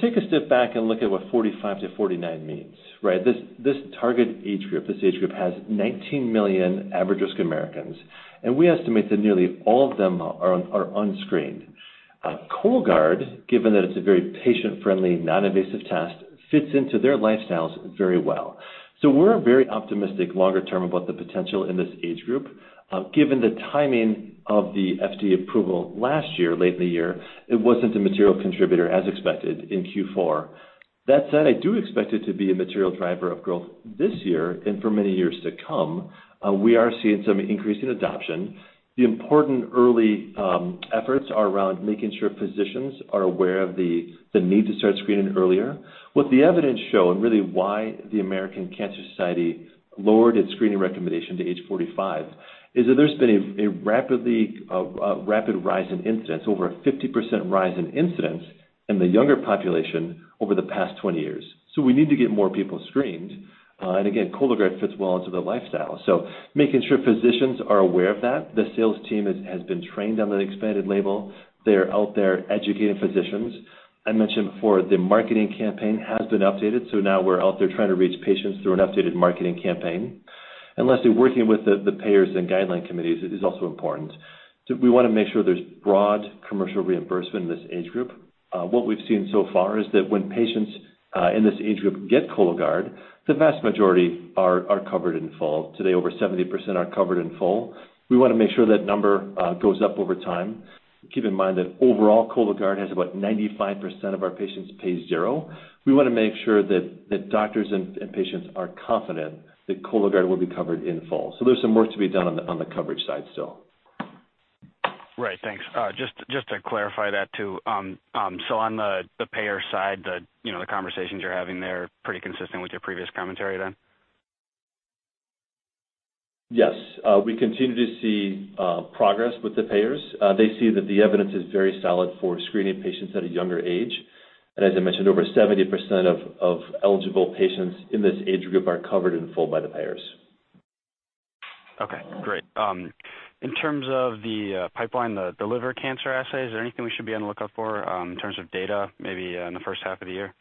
Take a step back, and look at what 45-49 means, right? This target age group, this age group has 19 million average-risk American. And we estimate that nearly, all of them are unscreened. Cologuard, given that it's a very patient-friendly, non-invasive test. Fits into their lifestyles very well. We're very optimistic longer term, about the potential in this age group. Given the timing of the FDA approval last year, late in the year. It wasn't a material contributor as expected in Q4. That said, I do expect it to be a material driver of growth this year, and for many years to come. We are seeing some increasing adoption. The important early, efforts are around making sure physicians. Are aware of the need, to start screening earlier. What the evidence show, and really why the American Cancer Society. Lowered its screening recommendation to age 45, is that there's been a rapid rise in incidents. Over a 50% rise in incidents, in the younger population over the past 20 years. We need to get more people screened. Again, Cologuard fits well into their lifestyle. Making sure physicians are aware of that. The sales team has been trained on that expanded label. They are out there educating physicians. I mentioned before, the marketing campaign has been updated. So, now we're out there trying, to reach patients. Through an updated marketing campaign. Lastly, working with the payers, and guideline committees is also important. We want to make sure, there's broad commercial reimbursement in this age group. What we've seen so far is that, when patients in this age group get Cologuard. The vast majority are covered in full. Today, over 70% are covered in full. We want to make sure, that number goes up over time. Keep in mind that overall, Cologuard has about 95% of our patients pay zero. We want to make sure that doctors, and patients are confident. That Cologuard will be covered in full. There's some work to be done, on the coverage side still. Right, thanks. Just to clarify that too, on the payer side. The conversations you're having there are pretty consistent, with your previous commentary then? Yes. We continue to see progress with the payers. They see that the evidence is very solid, for screening patients at a younger age. As I mentioned, over 70% of eligible patients in this age group. Are covered in full by the payers. Okay, great. In terms of the pipeline, the liver cancer assay. Is there anything, we should be on the lookout for in terms of data? Maybe in the first half of the year?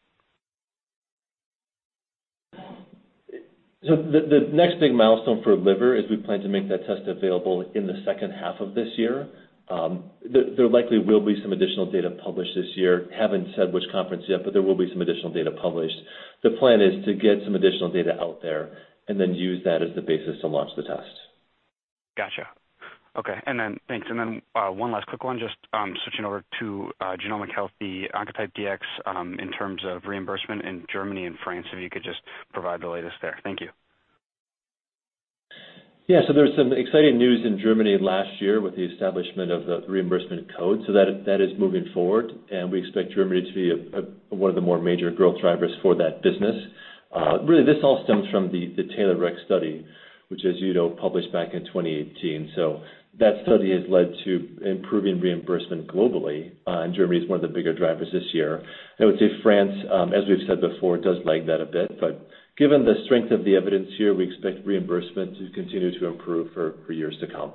The next big milestone for liver is we plan, to make that test available. In the second half of this year. There likely will be some, additional data published this year. Haven't said which conference yet, there will be some additional data published. The plan is to get some additional data out there. And then use that, as the basis to launch the test. Got you. Okay, thanks. One last quick one, just switching over to Genomic Health, the Oncotype DX. In terms of reimbursement in Germany, and France. If you could just provide the latest there. Thank you. There was some exciting news in Germany last year. With the establishment of the reimbursement code. That is moving forward, and we expect Germany. To be one of the more major growth drivers for that business. Really, this all stems from the TAILORx study. Which as you know, published back in 2018. That study has led, to improving reimbursement globally. And Germany is one of the bigger drivers this year. I would say France, as we've said before, does lag that a bit. Given the strength of the evidence here, we expect reimbursement. To continue to improve for years to come.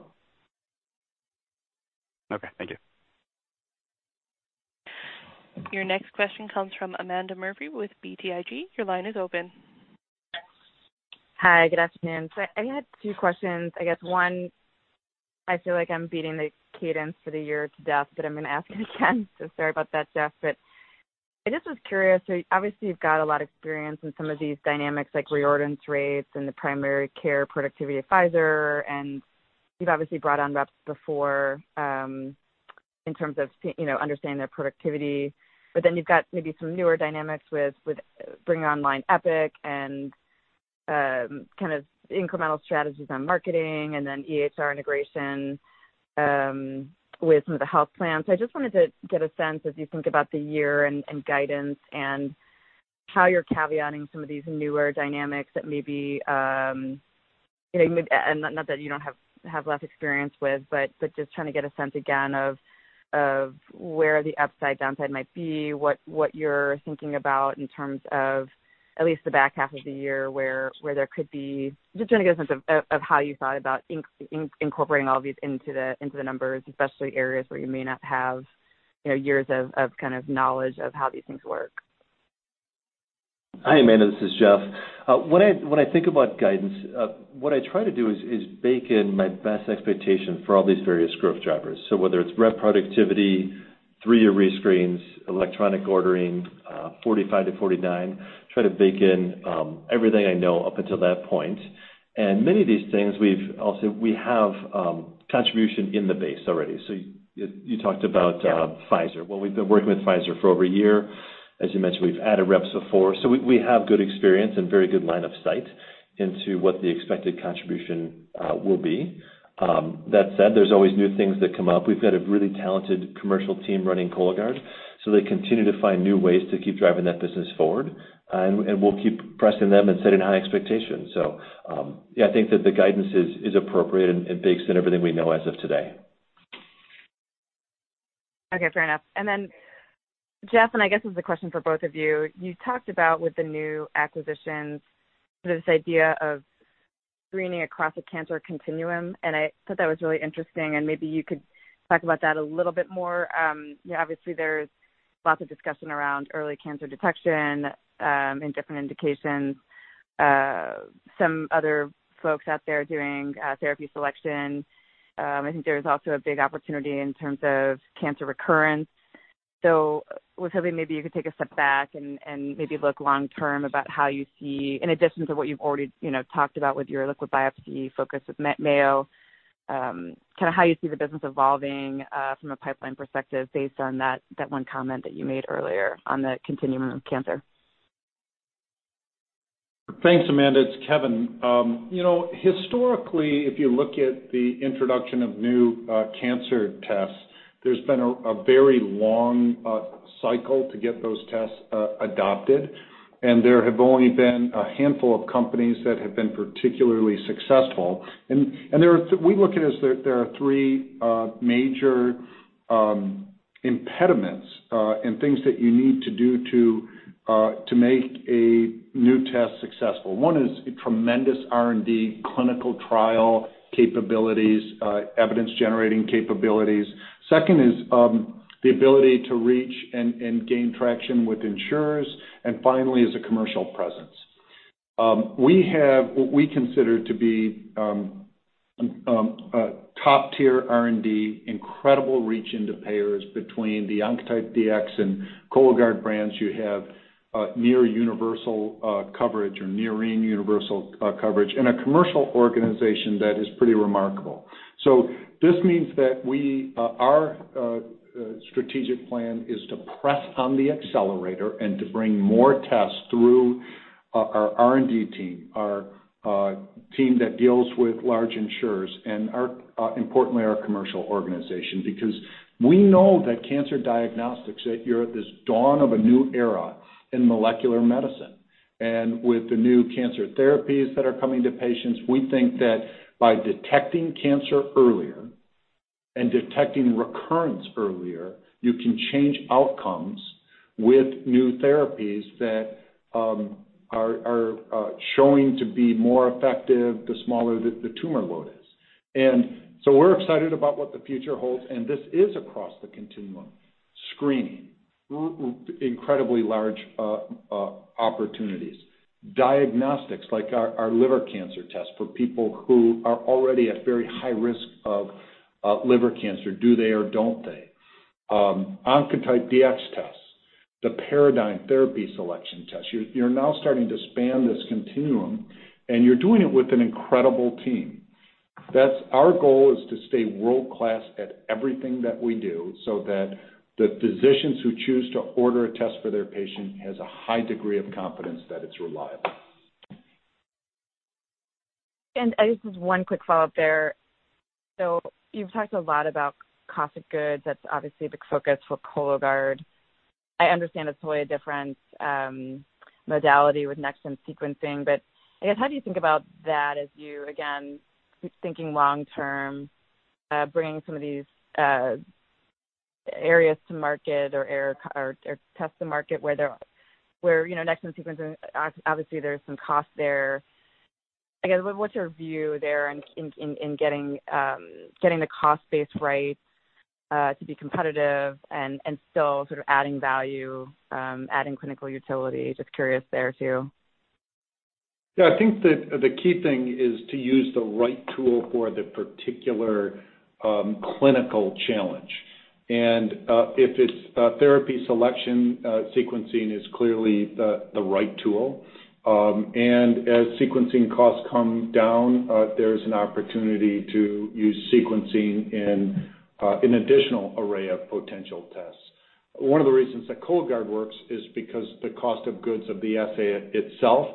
Okay, thank you. Your next question comes from, Amanda Murphy with BTIG. Your line is open. Hi. Good afternoon. I only had two questions. I guess one, I feel like I'm beating the cadence for the year to death. I'm going to ask it again. Sorry about that, Jeff. I just was curious, obviously you've got a lot of experience in some of these dynamics. Like reorder rates, and the primary care productivity at Pfizer. And you've obviously brought on reps before, in terms of understanding their productivity. You've got maybe some newer dynamics, with bringing online Epic. And kind of incremental strategies on marketing. And EHR integration, with some of the health plans. I just wanted to get a sense, as you think about the year, and guidance? And how you're caveating some of these newer dynamics? That maybe, and not that you don't have less experience with. But just trying to get a sense again of, where the upside downside might be? What you're thinking about, in terms of at least the back half of the year? Just trying to get a sense of, how you thought about incorporating all these into the numbers? Especially, areas where you may not have years? Of kind of knowledge of, how these things work? Hi, Amanda, this is Jeff. When I think about guidance, what I try to do. Is bake in my best expectation, for all these various growth drivers. Whether it's rep productivity, three-year rescreens, electronic ordering, 45-49. Try to bake in everything I know, up until that point. Many of these things, we have contribution in the base already. You talked about. Yeah. Pfizer. Well, we've been working, with Pfizer for over a year. As you mentioned, we've added reps before. We have good experience, and very good line of sight. Into what the expected contribution will be? That said, there's always new things that come up. We've got a really talented commercial team running Cologuard. So, they continue to find new ways, to keep driving that business forward. And we'll keep pressing them, and setting high expectations. Yeah, I think that the guidance is appropriate. And bakes in everything, we know as of today. Okay, fair enough. Jeff, and I guess this is a question for both of you. You talked about, with the new acquisitions. This idea of screening across a cancer continuum, and I thought that was really interesting. And maybe you could talk, about that a little bit more. Obviously, there's lots of discussion around early cancer detection, in different indications. Some other folks out there, doing therapy selection. I think there's also a big opportunity, in terms of cancer recurrence. I was hoping, maybe you could take a step back? And maybe look long term, about how you see? In addition, to what you've already talked about? With your liquid biopsy focus, with Mayo Clinic. How you see the business evolving from a pipeline perspective? Based on that one comment, that you made earlier on the continuum of cancer. Thanks, Amanda. It's Kevin. Historically, if you look at the introduction of new cancer tests. There's been a very long cycle, to get those tests adopted. And there have only been a handful of companies. That have been particularly successful. We look at it as there are three major impediments. And things that you need to do, to make a new test successful. One is tremendous R&D clinical trial capabilities, evidence-generating capabilities. Second is the ability to reach, and gain traction with insurers. And finally, is a commercial presence. We have what we consider, to be a top-tier R&D. Incredible reach into payers between the Oncotype DX, and Cologuard brands. You have near universal coverage, or nearing universal coverage. And a commercial organization, that is pretty remarkable. This means, that our strategic plan is to press on the accelerator. And to bring more tests through our R&D team. Our team that deals, with large insurers. And importantly, our commercial organization. Because we know that cancer diagnostics, that you're at this dawn of a new era, in molecular medicine. With the new cancer therapies, that are coming to patients. We think that by detecting cancer earlier, and detecting recurrence earlier. You can change outcomes, with new therapies. That are showing to be more effective, the smaller the tumor load is. We're excited about, what the future holds. And this is across the continuum. Screening, incredibly large opportunities. Diagnostics like our liver cancer test, for people who are already at very high risk of liver cancer. Do they, or don't they? Oncotype DX tests, the Paradigm therapy selection test. You're now starting, to span this continuum. And you're doing it, with an incredible team. Our goal is to stay world-class, at everything that we do. So that the physicians, who choose to order a test for their patient. Has a high degree of confidence that it's reliable. I guess, just one quick follow-up there. You've talked a lot about cost of goods. That's obviously, the focus for Cologuard. I understand it's a totally different modality, with next-generation sequencing. But I guess, how do you think about that as you, again? Thinking long term, bringing some of these areas to market. Or tests to market, where next-generation sequencing, obviously there's some cost there? I guess, what's your view there? In getting the cost base right to be competitive. And still sort of adding value, adding clinical utility? Just curious there, too. Yeah, I think that the key thing is, to use the right tool. For the particular clinical challenge. If it's therapy selection, sequencing is clearly the right tool. As sequencing costs come down, there's an opportunity. To use sequencing in an additional array of potential tests. One of the reasons that Cologuard works is, because the cost of goods of the assay itself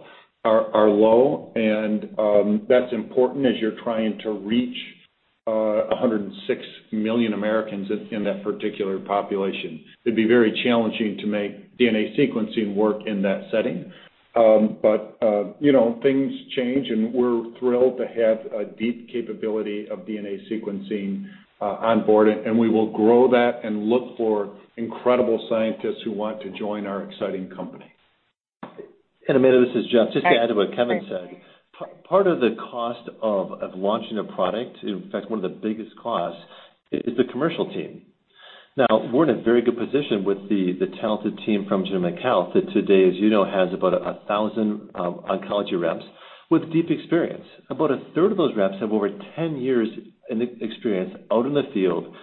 are low. And that's important, as you're trying to reach 106 million Americans, in that particular population. It'd be very challenging, to make DNA sequencing work in that setting. Things change, and we're thrilled to have a deep capability of DNA sequencing on board. And we will grow that, and look for incredible scientists. Who want to join our exciting company. Amanda, this is Jeff. Just to add, to what Kevin said. Part of the cost of launching a product, in fact, one of the biggest costs, is the commercial team. We're in a very good position, with the talented team from Genomic Health that today. As you know, has about 1,000 oncology reps with deep experience. About 1/3 of those reps, have over 10 years in experience out in the field,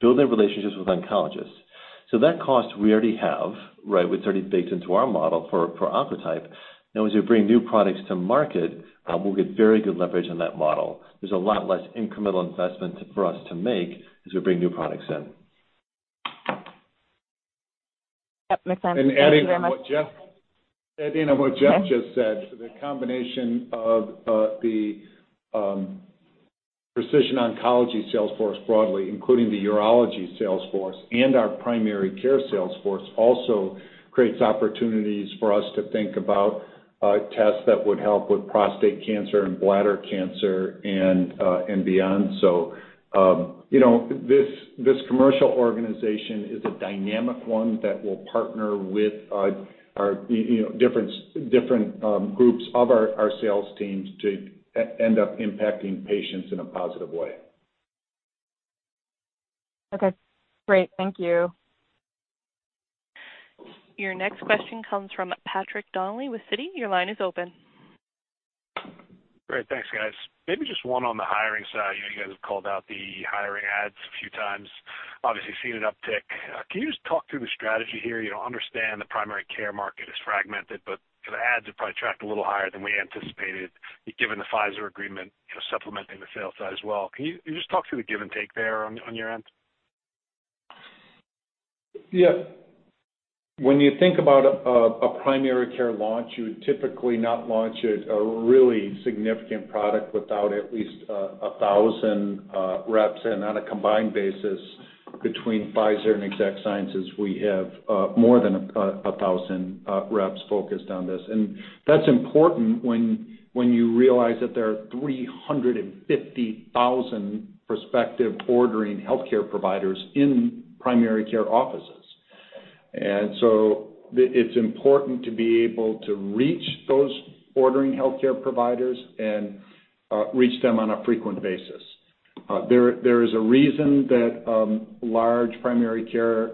building relationships with oncologists. That cost we already have, right. It's already baked, into our model for Oncotype. As we bring new products to market. We'll get very good leverage on that model. There's a lot less incremental investment for us to make. As we bring new products in. Yep, makes sense. Thank you very much. Adding on what Jeff just said, the combination of the Precision Oncology sales force broadly. Including the urology sales force, and our primary care sales force. Also creates opportunities for us, to think about tests. That would help with prostate cancer, and bladder cancer, and beyond. This commercial organization is a dynamic one. That will partner, with different groups of our sales teams. To end up impacting patients in a positive way. Okay, great. Thank you. Your next question comes from, Patrick Donnelly with Citi. Your line is open. Great, thanks, guys. Maybe just one on the hiring side. You guys have called out the hiring ads a few times, obviously seen an uptick. Can you just talk through the strategy here? Understand the primary care market is fragmented, but the ads have probably tracked. A little higher than we anticipated, given the Pfizer agreement. Supplementing the sales side as well. Can you just talk through the give, and take there on your end? Yeah. When you think, about a primary care launch. You would typically, not launch a really significant product. Without at least 1,000 reps. On a combined basis between Pfizer, and Exact Sciences. We have more than 1,000 reps focused on this. That's important, when you realize. That there are 350,000 prospective ordering healthcare providers, in primary care offices. It's important to be able, to reach those ordering healthcare providers. And reach them on a frequent basis. There is a reason, that large primary care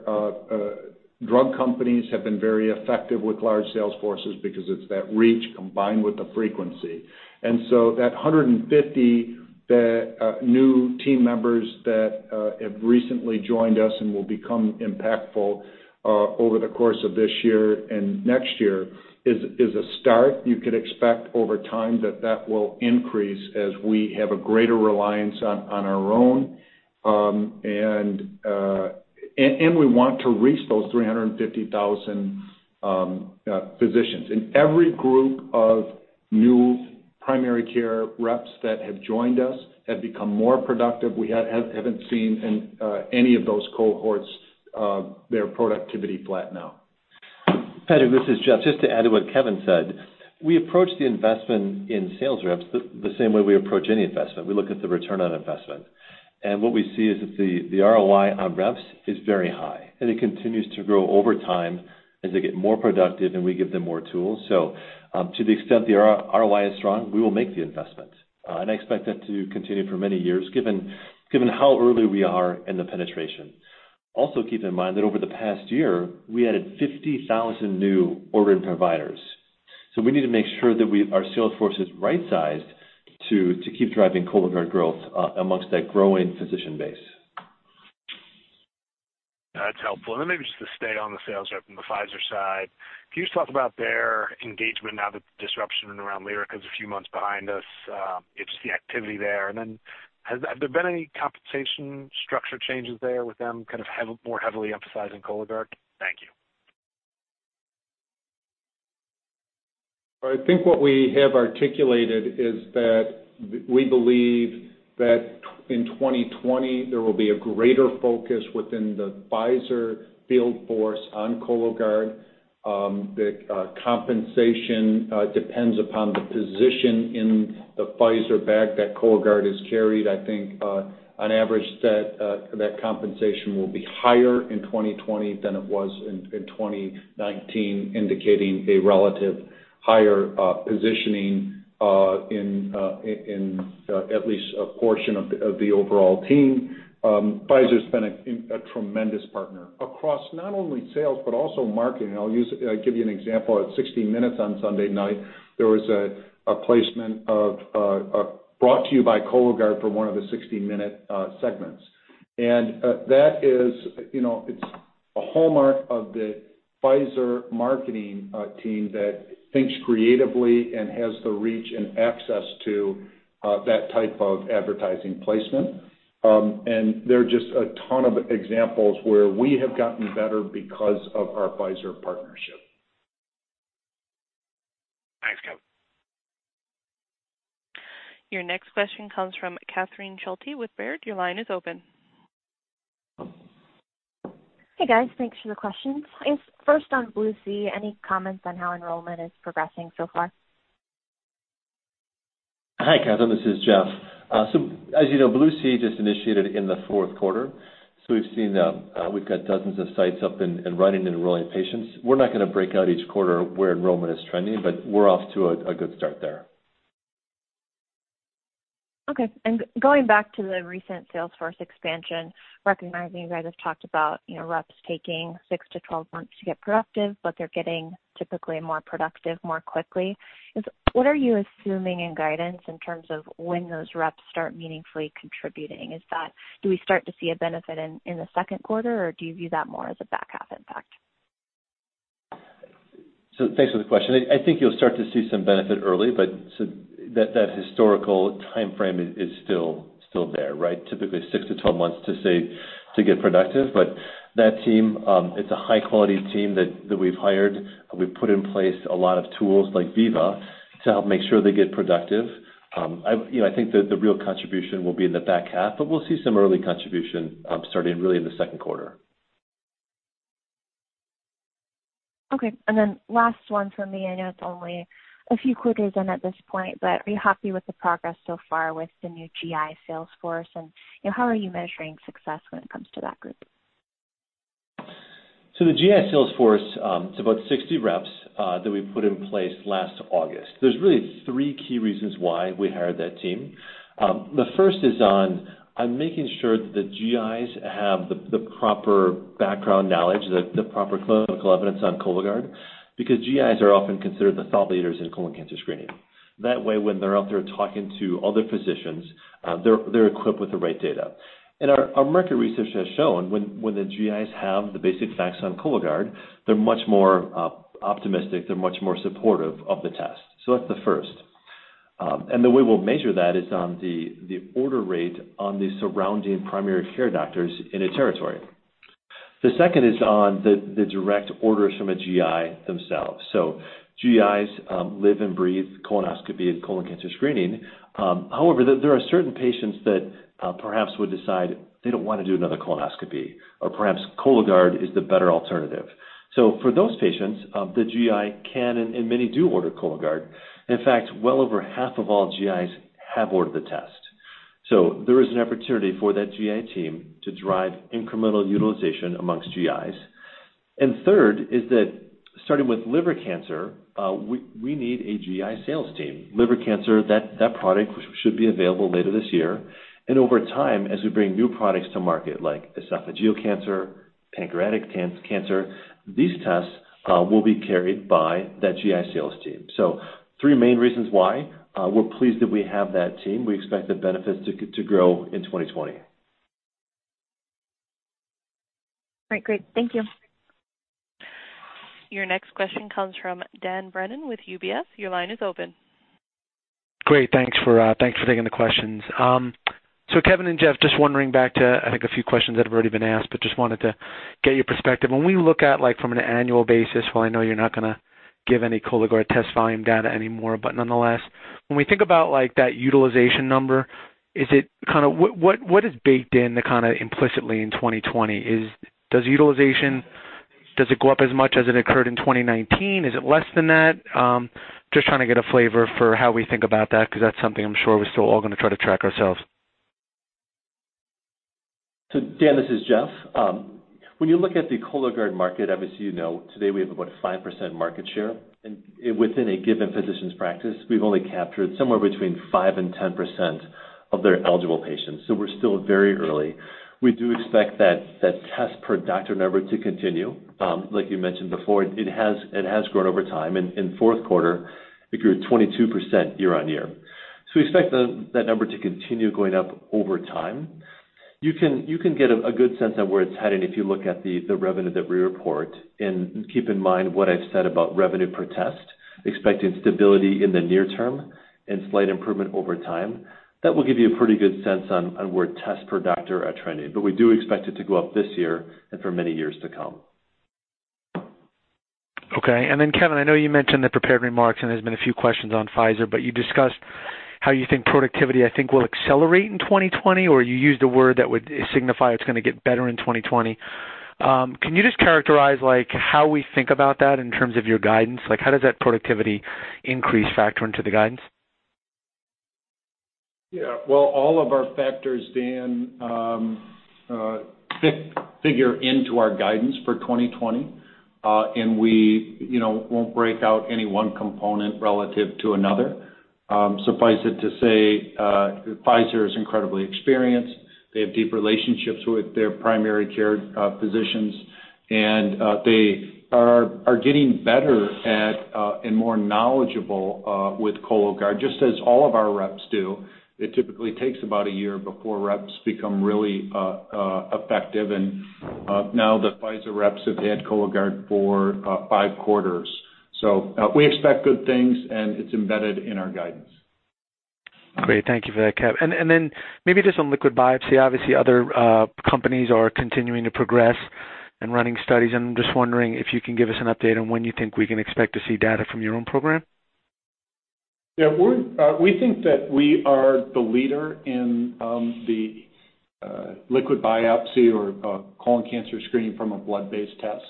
drug companies. Have been very effective, with large sales forces. Because it's that reach combined, with the frequency. That 150 new team members, that have recently joined us. And will become impactful, over the course of this year, and next year is a start. You could expect over time, that that will increase. As we have a greater reliance on our own. We want to reach those 350,000 physicians. In every group of new primary care reps, that have joined us. Have become more productive. We haven't seen in any of those cohorts, their productivity flat now. Patrick, this is Jeff. Just to add, to what Kevin said. We approach the investment in sales reps, the same way we approach any investment. What we see is that the ROI on reps is very high, and it continues to grow over time. As they get more productive, and we give them more tools. To the extent the ROI is strong, we will make the investment. I expect that to continue for many years, given how early we are in the penetration. Also keep in mind, that over the past year. We added 50,000 new ordering providers. We need to make sure, that our sales force is right sized. To keep driving Cologuard growth, amongst that growing physician base. That's helpful. Maybe just to stay, on the sales rep from the Pfizer side. Can you just talk about their engagement now? That disruption around Lyrica is a few months behind us, just the activity there. Have there been any compensation structure changes there, with them kind of more heavily emphasizing Cologuard? Thank you. I think, what we have articulated is that? We believe that in 2020, there will be a greater focus. Within the Pfizer field force on Cologuard. The compensation depends upon the position, in the Pfizer bag that Cologuard has carried. I think on average, that compensation. Will be higher in 2020, than it was in 2019. Indicating a relative higher positioning, in at least a portion of the overall team. Pfizer's been a tremendous partner across not only sales, but also marketing. I'll give you an example, at "60 Minutes" on Sunday night. There was a placement, of Brought to You by Cologuard, for one of the "60 Minute" segments. That is a hallmark of the Pfizer marketing team. That thinks creatively, and has the reach. And access to, that type of advertising placement. There are just a ton of examples, where we have gotten better. Because of our Pfizer partnership. Thanks, Kevin. Your next question comes from, Catherine Schulte with Baird. Your line is open. Hey, guys. Thanks for the questions. First on BLUE-C, any comments on, how enrollment is progressing so far? Hi, Catherine, this is Jeff. As you know, BLUE-C just initiated in the fourth quarter. We've got dozens of sites up, and running, and enrolling patients. We're not going to break out each quarter. Where enrollment is trending, but we're off to a good start there. Okay. Going back to the recent sales force expansion. Recognizing you guys have talked about, reps taking 6-12 months to get productive. But they're getting typically, more productive more quickly. What are you assuming in guidance? In terms of, when those reps start meaningfully contributing? Do we start to see a benefit in the second quarter? Or do you view, that more as a back half impact? Thanks for the question. I think, you'll start to see some benefit early. But that historical timeframe is still there, right? Typically, 6-12 months to, say, to get productive. That team, it's a high-quality team, that we've hired. We've put in place a lot of tools like Veeva. To help make sure, they get productive. I think that the real contribution, will be in the back half. But we'll see some early contribution, starting really in the second quarter. Okay. Last one from me. I know it's only, a few quarters in at this point. Are you happy with the progress so far, with the new GI sales force? How are you measuring success? When it comes to that group? The GI sales force, it's about 60 reps. That we put in place last August. There's really three key reasons, why we hired that team? The first is on, making sure that the GIs have the proper background knowledge. The proper clinical evidence on Cologuard, because GIs are often considered. The thought leaders in colon cancer screening. That way, when they're out there talking to other physicians. They're equipped, with the right data. Our market research has shown, when the GIs have the basic facts on Cologuard. They're much more optimistic, they're much more supportive of the test. That's the first. The way we'll measure, that is on the order rate. On the surrounding primary care doctors in a territory. The second is on the direct orders from a GI themselves. GIs live, and breathe colonoscopy, and colon cancer screening. However, there are certain patients. That perhaps would decide, they don't want to do another colonoscopy. Or perhaps Cologuard is the better alternative. For those patients, the GI can, and many do order Cologuard. In fact, well over half of all GIs have ordered the test. There is an opportunity for that GI team, to drive incremental utilization amongst GIs. Third is that, starting with liver cancer. We need a GI sales team. Liver cancer, that product should be available later this year. Over time, as we bring new products to market. Like esophageal cancer, pancreatic cancer, these tests will be carried by that GI sales team. Three main reasons why? We're pleased, that we have that team. We expect the benefits, to grow in 2020. All right, great. Thank you. Your next question comes from, Dan Brennan with UBS. Your line is open. Great. Thanks for taking the questions. Kevin and Jeff, just wondering back to. I think, a few questions that have already been asked. Wanted to get your perspective. When we look, at like from an annual basis? While I know you're not going, to give any Cologuard test volume data anymore. Nonetheless, when we think about like that utilization number? What is baked, in kind of implicitly in 2020? Does utilization, does it go up as much as it occurred in 2019? Is it less than that? Just trying to get a flavor for, how we think about that? Because that's something I'm sure, we're still all going to try to track ourselves. Dan, this is Jeff. When you look at the Cologuard market, obviously. You know today, we have about a 5% market share. Within a given physician's practice, we've only captured somewhere. Between 5% and 10% of their eligible patients. We're still very early. We do expect that, test per doctor number to continue. Like you mentioned before, it has grown over time. In fourth quarter, it grew 22% year-on-year. We expect, that number to continue going up over time. You can get a good sense of, where it's heading if you look at the revenue. That we report, and keep in mind. What I've said about revenue per test. Expecting stability in the near term, and slight improvement over time. That will give you a pretty good sense, on where tests per doctor are trending. We do expect it to go up this year, and for many years to come. Okay. Kevin, I know you mentioned the prepared remarks, and there's been a few questions on Pfizer. But you discussed, how you think productivity? I think, will accelerate in 2020, or you used a word? That would signify, it's going to get better in 2020. Can you just characterize, how we think about that, in terms of your guidance? Like how does that productivity, increase factor into the guidance? Yeah. Well, all of our factors, Dan. Figure into our guidance for 2020. We won't break out, any one component relative to another. Suffice it to say, Pfizer is incredibly experienced. They have deep relationships, with their primary care physicians. And they are getting better at, and more knowledgeable with Cologuard. Just as all of our reps do. It typically takes, about a year before reps. Become really effective, and now the Pfizer reps, have had Cologuard for five quarters. We expect good things, and it's embedded in our guidance. Great. Thank you for that, Kevin. Then maybe just on liquid biopsy, obviously. Other companies are continuing to progress, and running studies. And I'm just wondering, if you can give us an update on? When you think, we can expect to see data, from your own program? We think, that we are the leader in the liquid biopsy, or colon cancer screening from a blood-based test.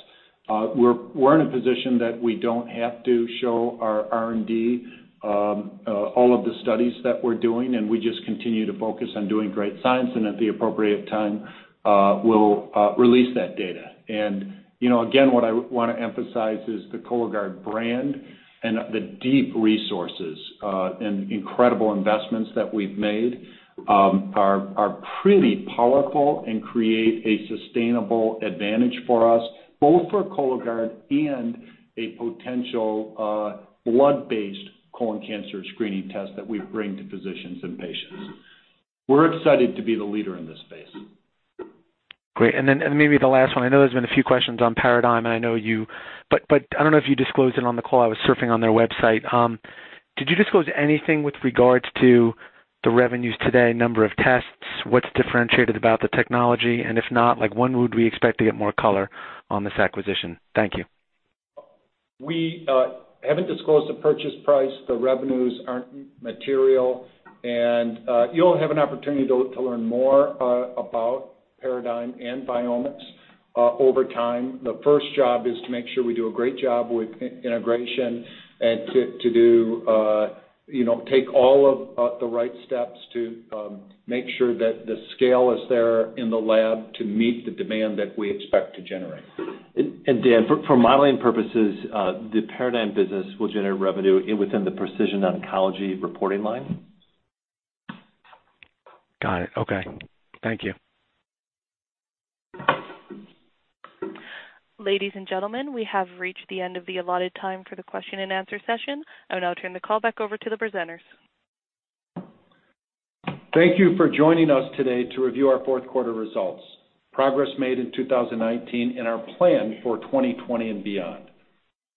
We're in a position, that we don't have to show our R&D. All of the studies that we're doing, and we just continue to focus. On doing great science, and at the appropriate time, we'll release that data. Again, what I want to emphasize is, the Cologuard brand. And the deep resources, and incredible investments that we've made. Are pretty powerful, and create a sustainable advantage for us. Both for Cologuard, and a potential blood-based colon cancer screening test. That we bring to physicians and patients. We're excited to be the leader in this space. Great. Then maybe the last one. I know there's been a few questions on Paradigm. But I don't know, if you disclosed it on the call. I was surfing on their website. Did you disclose anything, with regards to the revenues today? Number of tests, what's differentiated about the technology? If not, like when would we expect, to get more color on this acquisition? Thank you. We haven't disclosed the purchase price. The revenues aren't material. You'll have an opportunity, to learn more about Paradigm, and Viomics over time. The first job is to make sure, we do a great job with integration. And to take all of the right steps, to make sure that the scale is there in the lab. To meet the demand, that we expect to generate. Dan, for modeling purposes, the Paradigm business. Will generate revenue, within the Precision Oncology reporting line. Got it. Okay, thank you. Ladies and gentlemen, we have reached the end of the allotted time, for the question-and-answer session. I will now turn the call back over, to the presenters. Thank you for joining us today, to review our fourth quarter results. Progress made in 2019, and our plan for 2020, and beyond.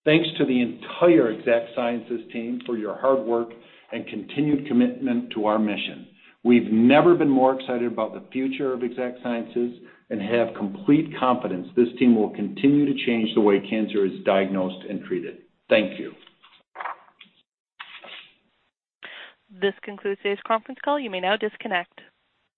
Thanks to the entire Exact Sciences team. For your hard work, and continued commitment to our mission. We've never been more excited, about the future of Exact Sciences. And have complete confidence, this team will continue to change. The way cancer is diagnosed, and treated. Thank you. This concludes today's conference call. You may now disconnect.